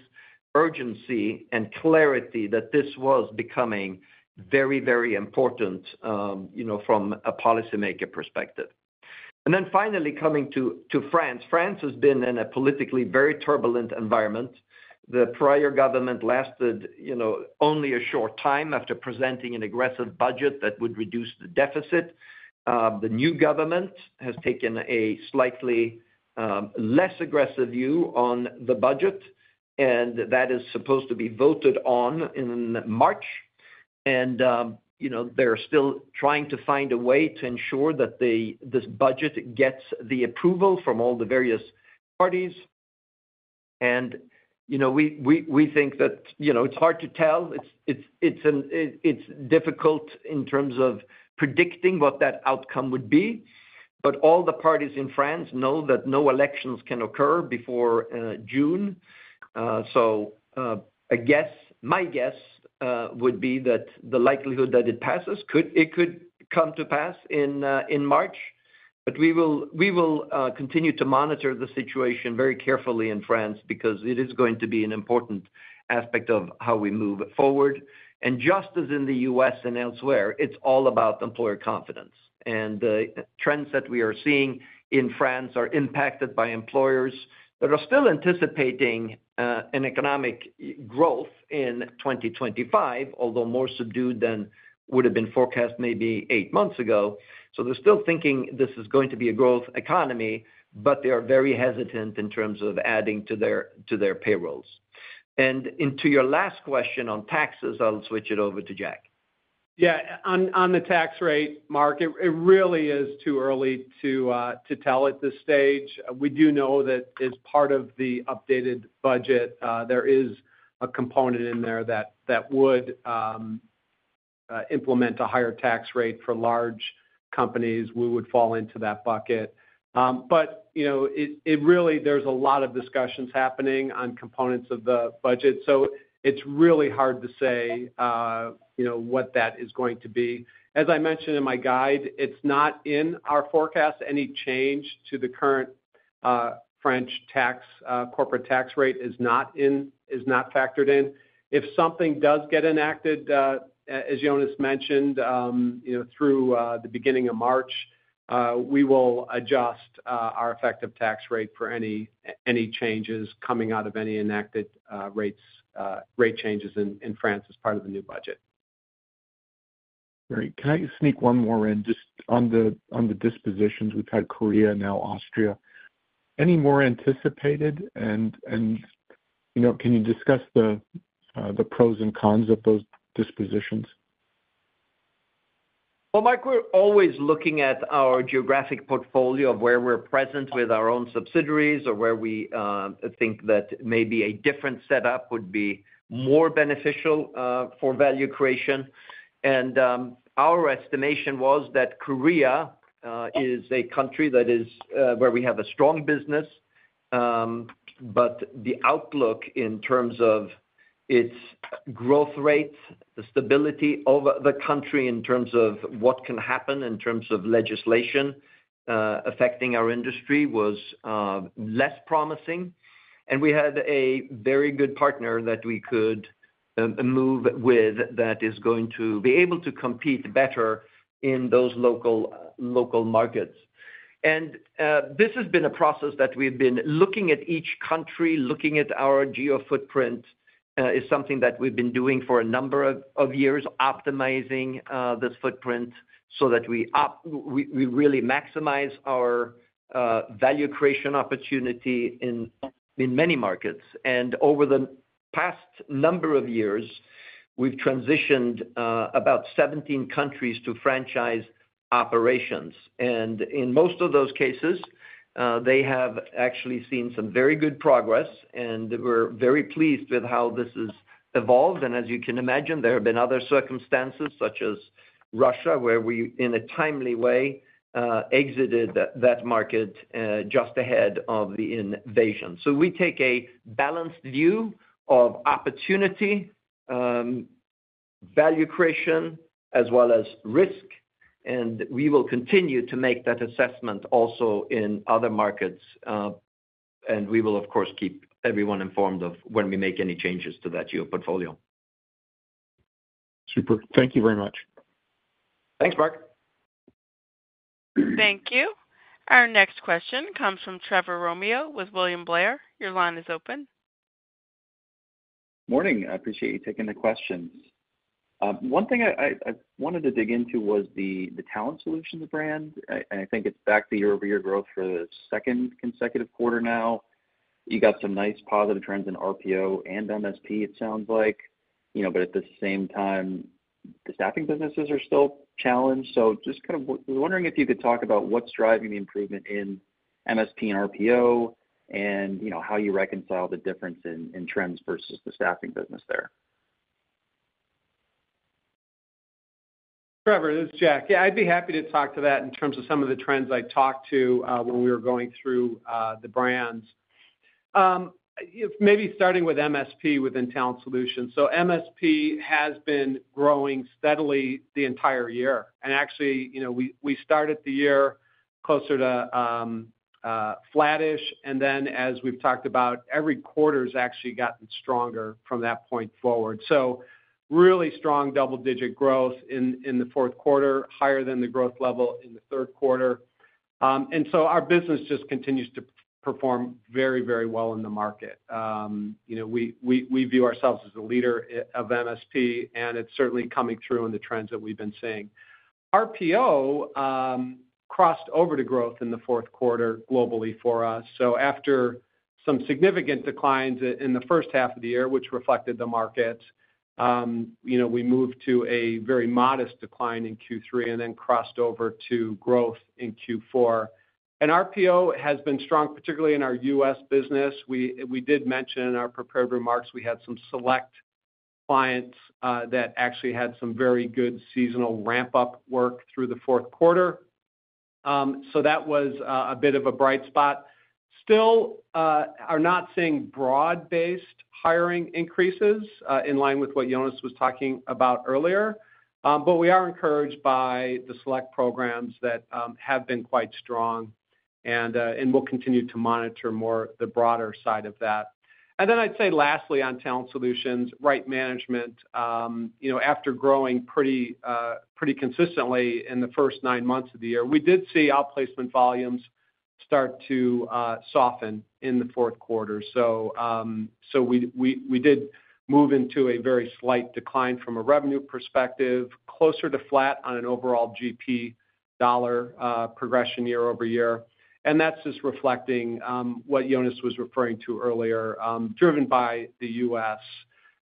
urgency and clarity that this was becoming very, very important from a policymaker perspective. Then finally, coming to France, France has been in a politically very turbulent environment. The prior government lasted only a short time after presenting an aggressive budget that would reduce the deficit. The new government has taken a slightly less aggressive view on the budget, and that is supposed to be voted on in March. And they're still trying to find a way to ensure that this budget gets the approval from all the various parties. And we think that it's hard to tell. It's difficult in terms of predicting what that outcome would be, but all the parties in France know that no elections can occur before June. So my guess would be that the likelihood that it passes, it could come to pass in March. But we will continue to monitor the situation very carefully in France because it is going to be an important aspect of how we move forward. And just as in the U.S. and elsewhere, it's all about employer confidence. And the trends that we are seeing in France are impacted by employers that are still anticipating an economic growth in 2025, although more subdued than would have been forecast maybe eight months ago. They're still thinking this is going to be a growth economy, but they are very hesitant in terms of adding to their payrolls. To your last question on taxes, I'll switch it over to Jack. Yeah. On the tax rate, Mark, it really is too early to tell at this stage. We do know that as part of the updated budget, there is a component in there that would implement a higher tax rate for large companies. We would fall into that bucket. But really, there's a lot of discussions happening on components of the budget. So it's really hard to say what that is going to be. As I mentioned in my guide, it's not in our forecast. Any change to the current French corporate tax rate is not factored in. If something does get enacted, as Jonas mentioned, through the beginning of March, we will adjust our effective tax rate for any changes coming out of any enacted rate changes in France as part of the new budget. All right. Can I sneak one more in? Just on the dispositions, we've had Korea and now Austria. Any more anticipated? And can you discuss the pros and cons of those dispositions? Well, Mark, we're always looking at our geographic portfolio of where we're present with our own subsidiaries or where we think that maybe a different setup would be more beneficial for value creation. And our estimation was that Korea is a country where we have a strong business, but the outlook in terms of its growth rate, the stability of the country in terms of what can happen in terms of legislation affecting our industry was less promising. And we had a very good partner that we could move with that is going to be able to compete better in those local markets. And this has been a process that we've been looking at each country, looking at our geo footprint is something that we've been doing for a number of years, optimizing this footprint so that we really maximize our value creation opportunity in many markets. And over the past number of years, we've transitioned about 17 countries to franchise operations. And in most of those cases, they have actually seen some very good progress, and we're very pleased with how this has evolved. And as you can imagine, there have been other circumstances such as Russia, where we in a timely way exited that market just ahead of the invasion. So we take a balanced view of opportunity, value creation, as well as risk. And we will continue to make that assessment also in other markets. And we will, of course, keep everyone informed of when we make any changes to that geo portfolio. Super. Thank you very much. Thanks, Mark. Thank you. Our next question comes from Trevor Romeo with William Blair. Your line is open. Morning. I appreciate you taking the questions. One thing I wanted to dig into was the Talent Solutions brand. I think it's back to year-over-year growth for the second consecutive quarter now. You got some nice positive trends in RPO and MSP, it sounds like. But at the same time, the staffing businesses are still challenged. So just kind of wondering if you could talk about what's driving the improvement in MSP and RPO and how you reconcile the difference in trends versus the staffing business there. Trevor, this is Jack. Yeah, I'd be happy to talk to that in terms of some of the trends I talked to when we were going through the brands. Maybe starting with MSP within Talent Solutions. So MSP has been growing steadily the entire year, and actually, we started the year closer to flattish, and then, as we've talked about, every quarter has actually gotten stronger from that point forward. So really strong double-digit growth in the fourth quarter, higher than the growth level in the third quarter, and so our business just continues to perform very, very well in the market. We view ourselves as a leader of MSP, and it's certainly coming through in the trends that we've been seeing. RPO crossed over to growth in the fourth quarter globally for us. So after some significant declines in the first half of the year, which reflected the markets, we moved to a very modest decline in Q3 and then crossed over to growth in Q4. And RPO has been strong, particularly in our U.S. business. We did mention in our prepared remarks, we had some select clients that actually had some very good seasonal ramp-up work through the fourth quarter. So that was a bit of a bright spot. Still, we are not seeing broad-based hiring increases in line with what Jonas was talking about earlier. But we are encouraged by the select programs that have been quite strong and will continue to monitor more the broader side of that. And then I'd say lastly, on Talent Solutions, Right Management. After growing pretty consistently in the first nine months of the year, we did see outplacement volumes start to soften in the fourth quarter. So we did move into a very slight decline from a revenue perspective, closer to flat on an overall GP dollar progression year over year. And that's just reflecting what Jonas was referring to earlier, driven by the U.S.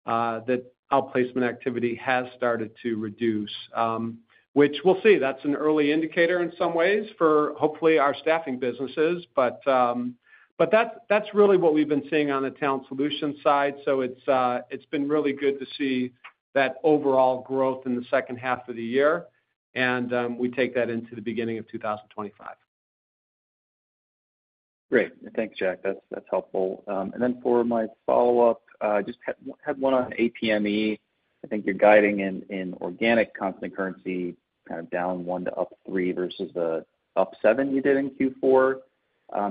that outplacement activity has started to reduce, which we'll see. That's an early indicator in some ways for hopefully our staffing businesses. But that's really what we've been seeing on the talent solution side. So it's been really good to see that overall growth in the second half of the year. And we take that into the beginning of 2025. Great. Thanks, Jack. That's helpful. And then for my follow-up, I just had one on APME. I think you're guiding in organic constant currency kind of -1% to +3% versus the +7% you did in Q4.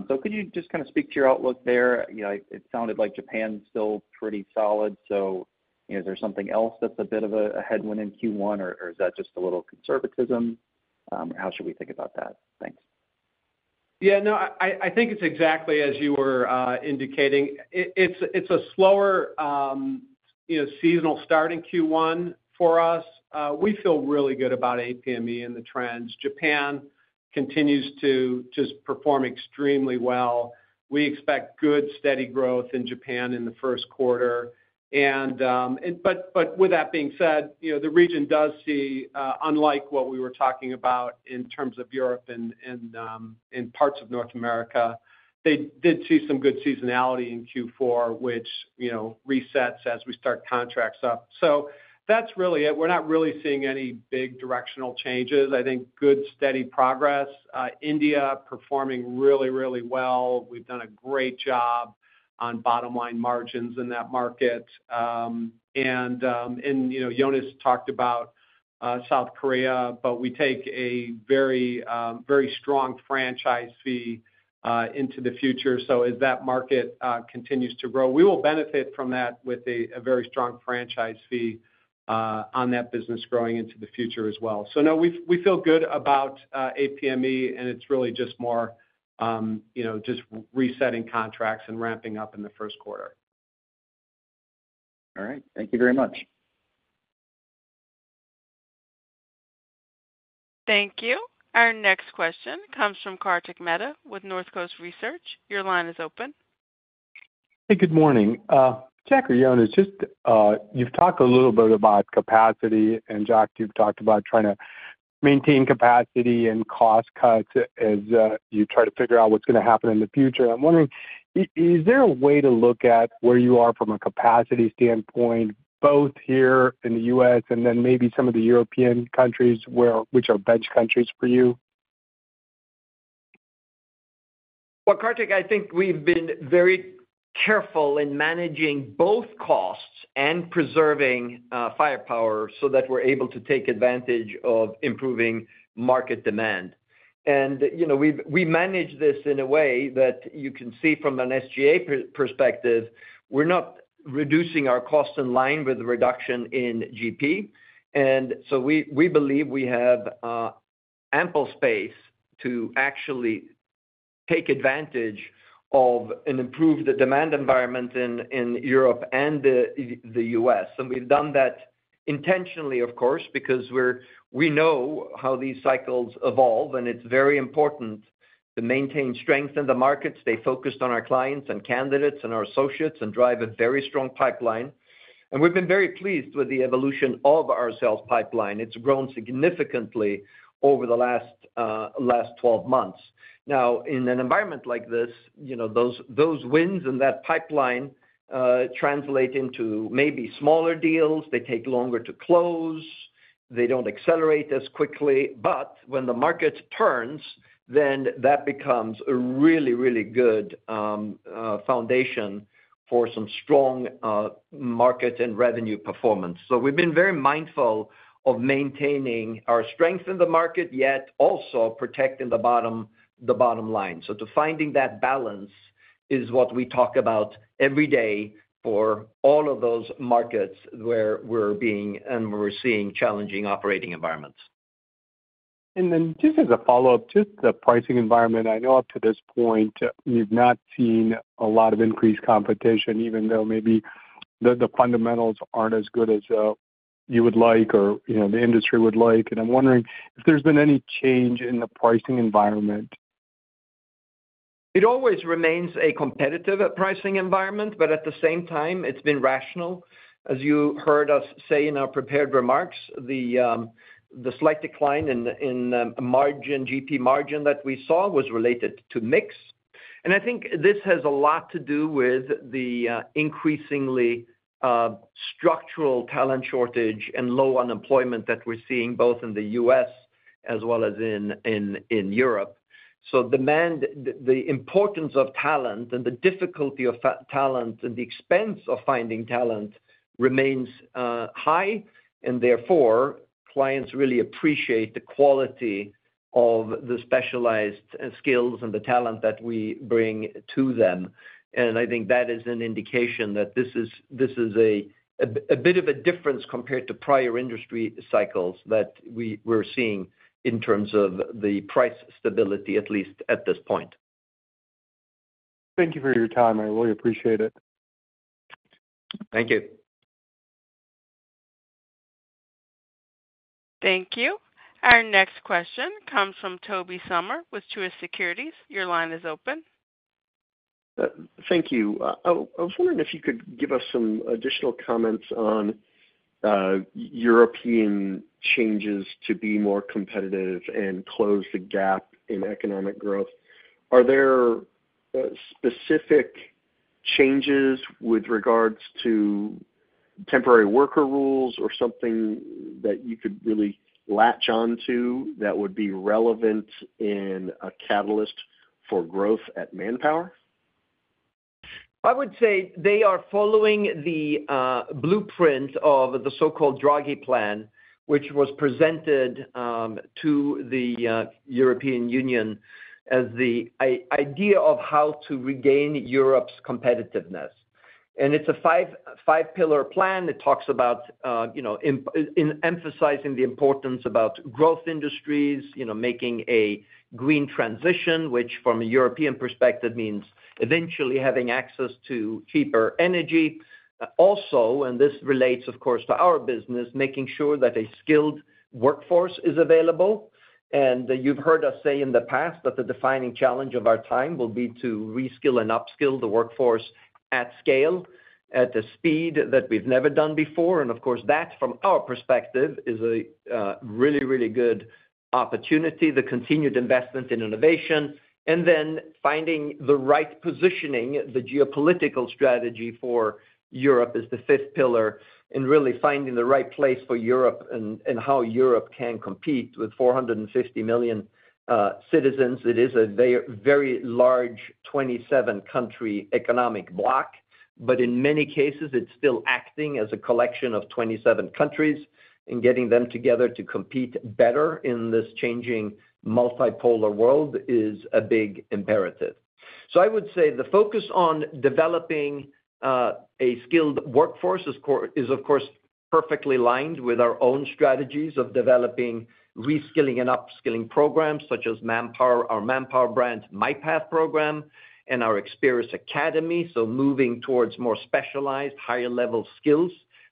So could you just kind of speak to your outlook there? It sounded like Japan's still pretty solid. So is there something else that's a bit of a headwind in Q1, or is that just a little conservatism? How should we think about that? Thanks. Yeah. No, I think it's exactly as you were indicating. It's a slower seasonal start in Q1 for us. We feel really good about APME and the trends. Japan continues to just perform extremely well. We expect good steady growth in Japan in the first quarter. But with that being said, the region does see, unlike what we were talking about in terms of Europe and parts of North America, they did see some good seasonality in Q4, which resets as we start contracts up, so that's really it. We're not really seeing any big directional changes. I think good steady progress. India performing really, really well. We've done a great job on bottom-line margins in that market, and Jonas talked about South Korea, but we take a very strong franchise fee into the future, so as that market continues to grow, we will benefit from that with a very strong franchise fee on that business growing into the future as well, so no, we feel good about APME, and it's really just more just resetting contracts and ramping up in the first quarter. All right. Thank you very much. Thank you. Our next question comes from Kartik Mehta with North Coast Research. Your line is open. Hey, good morning. Jack or Jonas, just you've talked a little bit about capacity. And Jack, you've talked about trying to maintain capacity and cost cuts as you try to figure out what's going to happen in the future. I'm wondering, is there a way to look at where you are from a capacity standpoint, both here in the U.S. and then maybe some of the European countries which are bench countries for you? Well, Kartik, I think we've been very careful in managing both costs and preserving firepower so that we're able to take advantage of improving market demand, and we manage this in a way that you can see from an SG&A perspective. We're not reducing our costs in line with the reduction in GP. And so we believe we have ample space to actually take advantage of and improve the demand environment in Europe and the U.S. And we've done that intentionally, of course, because we know how these cycles evolve, and it's very important to maintain strength in the markets. Stay focused on our clients and candidates and our associates and drive a very strong pipeline. And we've been very pleased with the evolution of our sales pipeline. It's grown significantly over the last 12 months. Now, in an environment like this, those wins and that pipeline translate into maybe smaller deals. They take longer to close. They don't accelerate as quickly. But when the market turns, then that becomes a really, really good foundation for some strong market and revenue performance. So we've been very mindful of maintaining our strength in the market, yet also protecting the bottom line. Finding that balance is what we talk about every day for all of those markets where we're being and we're seeing challenging operating environments. Then just as a follow-up to the pricing environment, I know up to this point, we've not seen a lot of increased competition, even though maybe the fundamentals aren't as good as you would like or the industry would like. And I'm wondering if there's been any change in the pricing environment. It always remains a competitive pricing environment, but at the same time, it's been rational. As you heard us say in our prepared remarks, the slight decline in GP margin that we saw was related to mix. And I think this has a lot to do with the increasingly structural talent shortage and low unemployment that we're seeing both in the U.S. as well as in Europe. So the importance of talent and the difficulty of talent and the expense of finding talent remains high. And therefore, clients really appreciate the quality of the specialized skills and the talent that we bring to them. And I think that is an indication that this is a bit of a difference compared to prior industry cycles that we're seeing in terms of the price stability, at least at this point. Thank you for your time. I really appreciate it. Thank you. Thank you. Our next question comes from Tobey Sommer with Truist Securities. Your line is open. Thank you. I was wondering if you could give us some additional comments on European changes to be more competitive and close the gap in economic growth. Are there specific changes with regards to temporary worker rules or something that you could really latch onto that would be relevant in a catalyst for growth at Manpower? I would say they are following the blueprint of the so-called Draghi Plan, which was presented to the European Union as the idea of how to regain Europe's competitiveness. It's a five-pillar plan. It talks about emphasizing the importance about growth industries, making a green transition, which from a European perspective means eventually having access to cheaper energy. Also, and this relates, of course, to our business, making sure that a skilled workforce is available. You've heard us say in the past that the defining challenge of our time will be to reskill and upskill the workforce at scale, at the speed that we've never done before. Of course, that from our perspective is a really, really good opportunity. The continued investment in innovation and then finding the right positioning, the geopolitical strategy for Europe is the fifth pillar in really finding the right place for Europe and how Europe can compete with 450 million citizens. It is a very large 27-country economic bloc, but in many cases, it's still acting as a collection of 27 countries. Getting them together to compete better in this changing multipolar world is a big imperative. I would say the focus on developing a skilled workforce is, of course, perfectly aligned with our own strategies of developing reskilling and upskilling programs such as our Manpower brand, MyPath program, and our Experis Academy. Moving towards more specialized, higher-level skills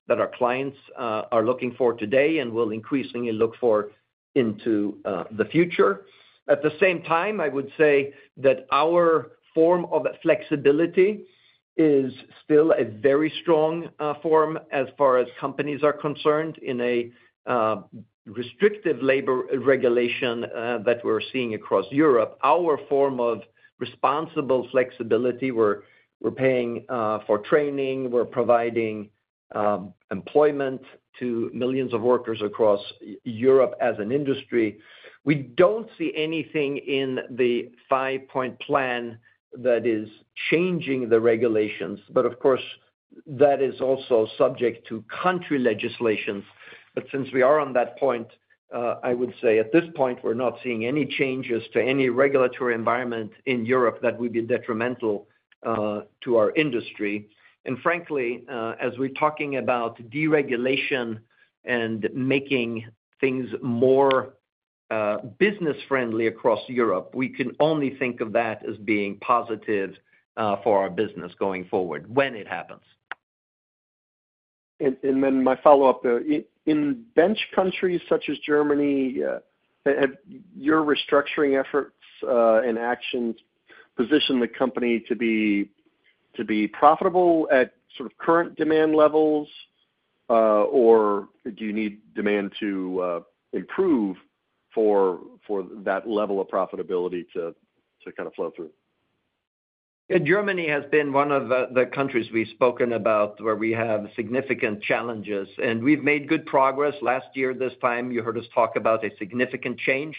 that our clients are looking for today and will increasingly look for into the future. At the same time, I would say that our form of flexibility is still a very strong form as far as companies are concerned in a restrictive labor regulation that we're seeing across Europe. Our form of responsible flexibility, we're paying for training, we're providing employment to millions of workers across Europe as an industry. We don't see anything in the five-point plan that is changing the regulations. But of course, that is also subject to country legislations. But since we are on that point, I would say at this point, we're not seeing any changes to any regulatory environment in Europe that would be detrimental to our industry, and frankly, as we're talking about deregulation and making things more business-friendly across Europe, we can only think of that as being positive for our business going forward when it happens, and then my follow-up there. In such countries such as Germany, have your restructuring efforts and actions positioned the company to be profitable at sort of current demand levels, or do you need demand to improve for that level of profitability to kind of flow through? Germany has been one of the countries we've spoken about where we have significant challenges. And we've made good progress last year. This time, you heard us talk about a significant change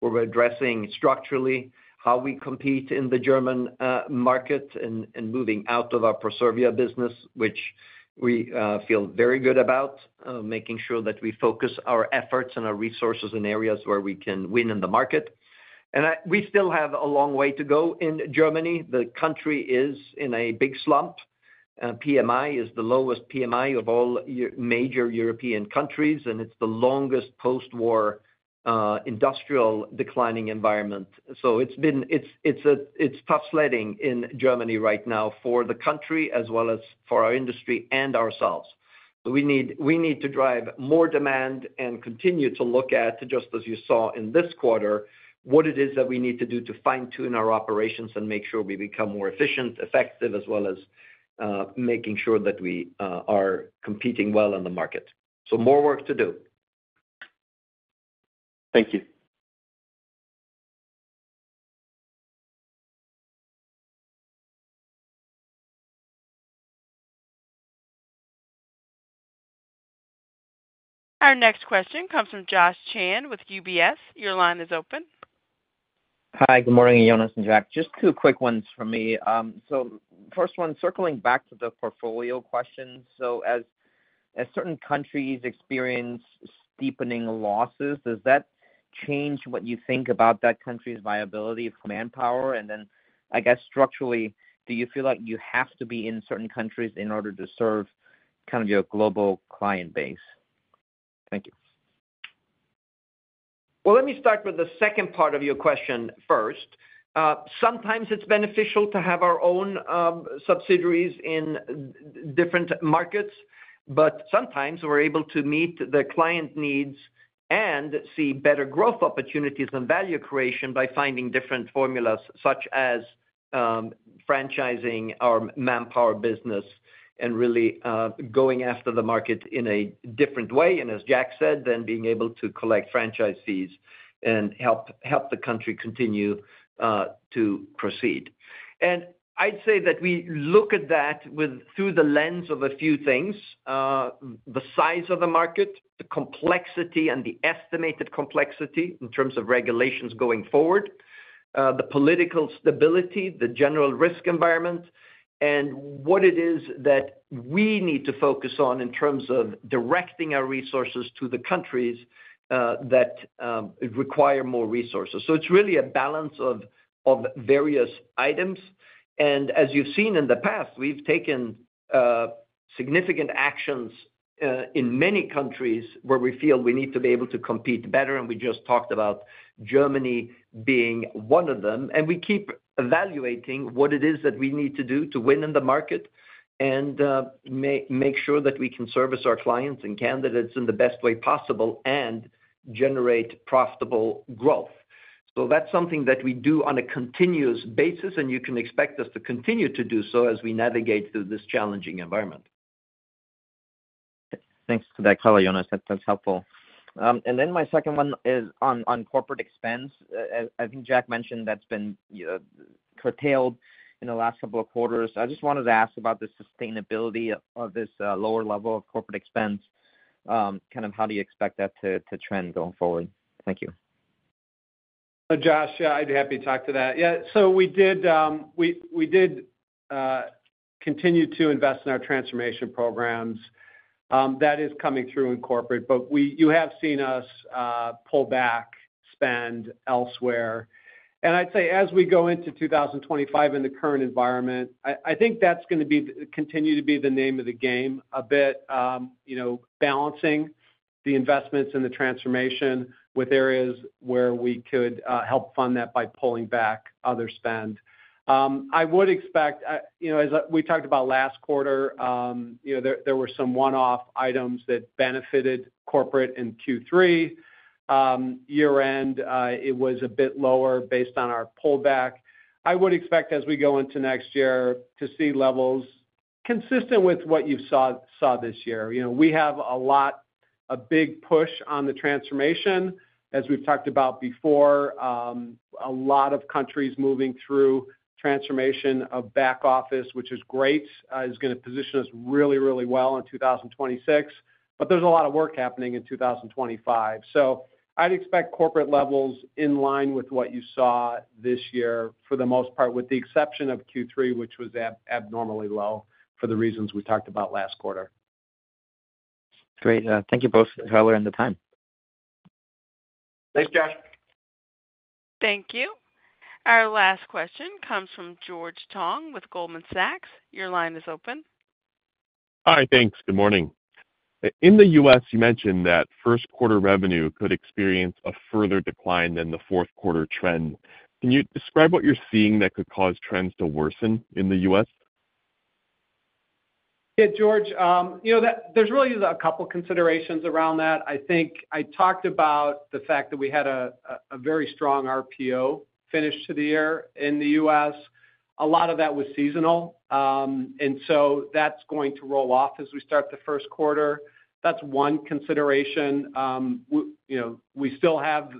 where we're addressing structurally how we compete in the German market and moving out of our Proservia business, which we feel very good about, making sure that we focus our efforts and our resources in areas where we can win in the market. And we still have a long way to go in Germany. The country is in a big slump. PMI is the lowest PMI of all major European countries, and it's the longest post-war industrial declining environment. So it's tough sledding in Germany right now for the country as well as for our industry and ourselves. So we need to drive more demand and continue to look at, just as you saw in this quarter, what it is that we need to do to fine-tune our operations and make sure we become more efficient, effective, as well as making sure that we are competing well in the market. So mo re work to do. Thank you. Our next question comes from Josh Chan with UBS. Your line is open. Hi. Good morning, Jonas and Jack. Just two quick ones for me. So first one, circling back to the portfolio questions. So as certain countries experience steepening losses, does that change what you think about that country's viability of Manpower? And then I guess structurally, do you feel like you have to be in certain countries in order to serve kind of your global client base? Thank you. Well, let me start with the second part of your question first. Sometimes it's beneficial to have our own subsidiaries in different markets, but sometimes we're able to meet the client needs and see better growth opportunities and value creation by finding different formulas such as franchising our Manpower business and really going after the market in a different way. And as Jack said, then being able to collect franchise fees and help the country continue to proceed. And I'd say that we look at that through the lens of a few things: the size of the market, the complexity and the estimated complexity in terms of regulations going forward, the political stability, the general risk environment, and what it is that we need to focus on in terms of directing our resources to the countries that require more resources. So it's really a balance of various items. And as you've seen in the past, we've taken significant actions in many countries where we feel we need to be able to compete better. And we just talked about Germany being one of them. And we keep evaluating what it is that we need to do to win in the market and make sure that we can service our clients and candidates in the best way possible and generate profitable growth. So that's something that we do on a continuous basis, and you can expect us to continue to do so as we navigate through this challenging environment. Thanks for that color, Jonas. That's helpful. And then my second one is on corporate expense. I think Jack mentioned that's been curtailed in the last couple of quarters. I just wanted to ask about the sustainability of this lower level of corporate expense. Kind of how do you expect that to trend going forward? Thank you. Josh, yeah, I'd be happy to talk to that. Yeah. So we did continue to invest in our transformation programs. That is coming through in corporate, but you have seen us pull back, spend elsewhere. And I'd say as we go into 2025 in the current environment, I think that's going to continue to be the name of the game a bit, balancing the investments and the transformation with areas where we could help fund that by pulling back other spend. I would expect, as we talked about last quarter, there were some one-off items that benefited corporate in Q3. Year-end, it was a bit lower based on our pullback. I would expect as we go into next year to see levels consistent with what you saw this year. We have a big push on the transformation, as we've talked about before. A lot of countries moving through transformation of back office, which is great, is going to position us really, really well in 2026. But there's a lot of work happening in 2025. So I'd expect corporate levels in line with what you saw this year for the most part, with the exception of Q3, which was abnormally low for the reasons we talked about last quarter. Great. Thank you both for your color and the time. Thanks, Josh. Thank you. Our last question comes from George Tong with Goldman Sachs. Your line is open. Hi. Thanks. Good morning. In the U.S., you mentioned that first-quarter revenue could experience a further decline than the fourth-quarter trend. Can you describe what you're seeing that could cause trends to worsen in the U.S.? Yeah, George, there's really a couple of considerations around that. I think I talked about the fact that we had a very strong RPO finish to the year in the U.S. A lot of that was seasonal. And so that's going to roll off as we start the first quarter. That's one consideration. We still have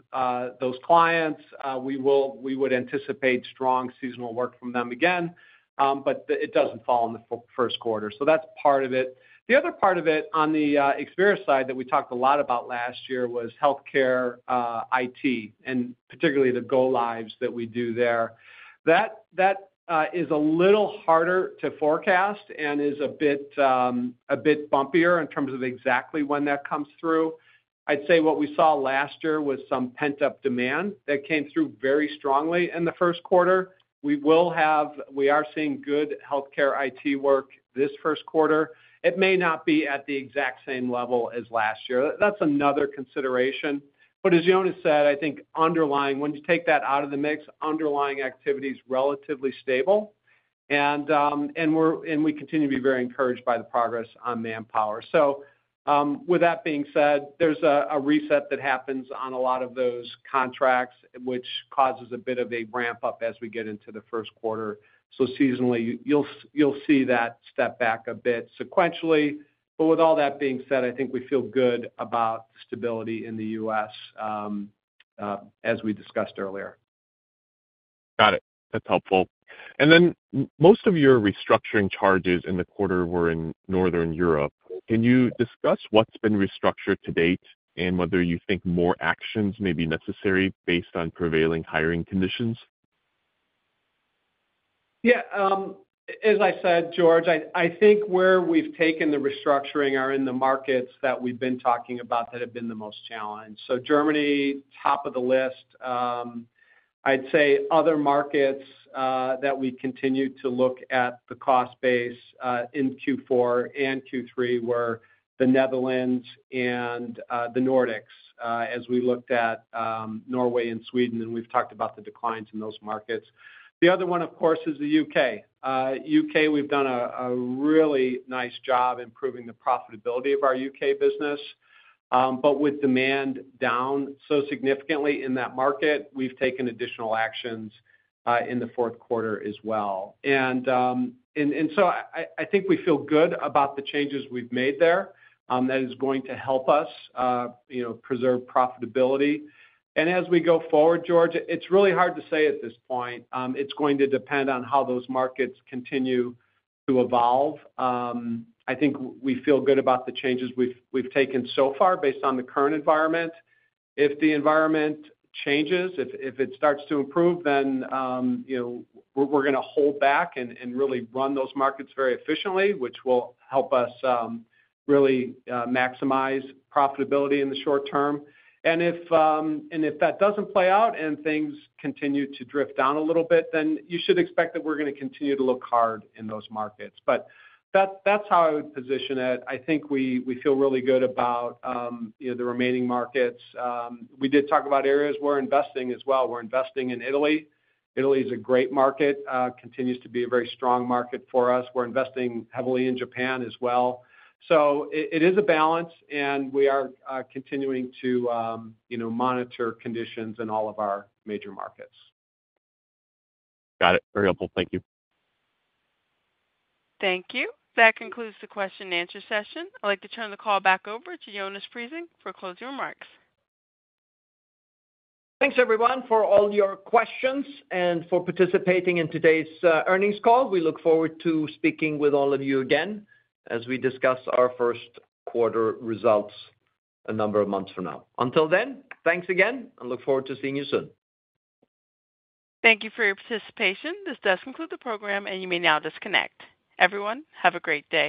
those clients. We would anticipate strong seasonal work from them again, but it doesn't fall in the first quarter. So that's part of it. The other part of it on the Experis side that we talked a lot about last year was healthcare IT, and particularly the go-lives that we do there. That is a little harder to forecast and is a bit bumpier in terms of exactly when that comes through. I'd say what we saw last year was some pent-up demand that came through very strongly in the first quarter. We are seeing good healthcare IT work this first quarter. It may not be at the exact same level as last year. That's another consideration. But as Jonas said, I think underlying, when you take that out of the mix, underlying activity is relatively stable. We continue to be very encouraged by the progress on Manpower. So with that being said, there's a reset that happens on a lot of those contracts, which causes a bit of a ramp-up as we get into the first quarter. So seasonally, you'll see that step back a bit sequentially. But with all that being said, I think we feel good about stability in the U.S., as we discussed earlier. Got it. That's helpful. And then most of your restructuring charges in the quarter were in Northern Europe. Can you discuss what's been restructured to date and whether you think more actions may be necessary based on prevailing hiring conditions? Yeah. As I said, George, I think where we've taken the restructuring are in the markets that we've been talking about that have been the most challenged. So Germany, top of the list. I'd say other markets that we continue to look at the cost base in Q4 and Q3 were the Netherlands and the Nordics, as we looked at Norway and Sweden, and we've talked about the declines in those markets. The other one, of course, is the U.K. U.K., we've done a really nice job improving the profitability of our U.K. business, but with demand down so significantly in that market, we've taken additional actions in the fourth quarter as well, and so I think we feel good about the changes we've made there. That is going to help us preserve profitability, and as we go forward, George, it's really hard to say at this point. It's going to depend on how those markets continue to evolve. I think we feel good about the changes we've taken so far based on the current environment. If the environment changes, if it starts to improve, then we're going to hold back and really run those markets very efficiently, which will help us really maximize profitability in the short term. And if that doesn't play out and things continue to drift down a little bit, then you should expect that we're going to continue to look hard in those markets. But that's how I would position it. I think we feel really good about the remaining markets. We did talk about areas we're investing as well. We're investing in Italy. Italy is a great market, continues to be a very strong market for us. We're investing heavily in Japan as well. So it is a balance, and we are continuing to monitor conditions in all of our major markets. Got it. Very helpful. Thank you. Thank you. That concludes the question-and-answer session. I'd like to turn the call back over to Jonas Prising for closing remarks. Thanks, everyone, for all your questions and for participating in today's earnings call. We look forward to speaking with all of you again as we discuss our first-quarter results a number of months from now. Until then, thanks again, and look forward to seeing you soon. Thank you for your participation. This does conclude the program, and you may now disconnect. Everyone, have a great day.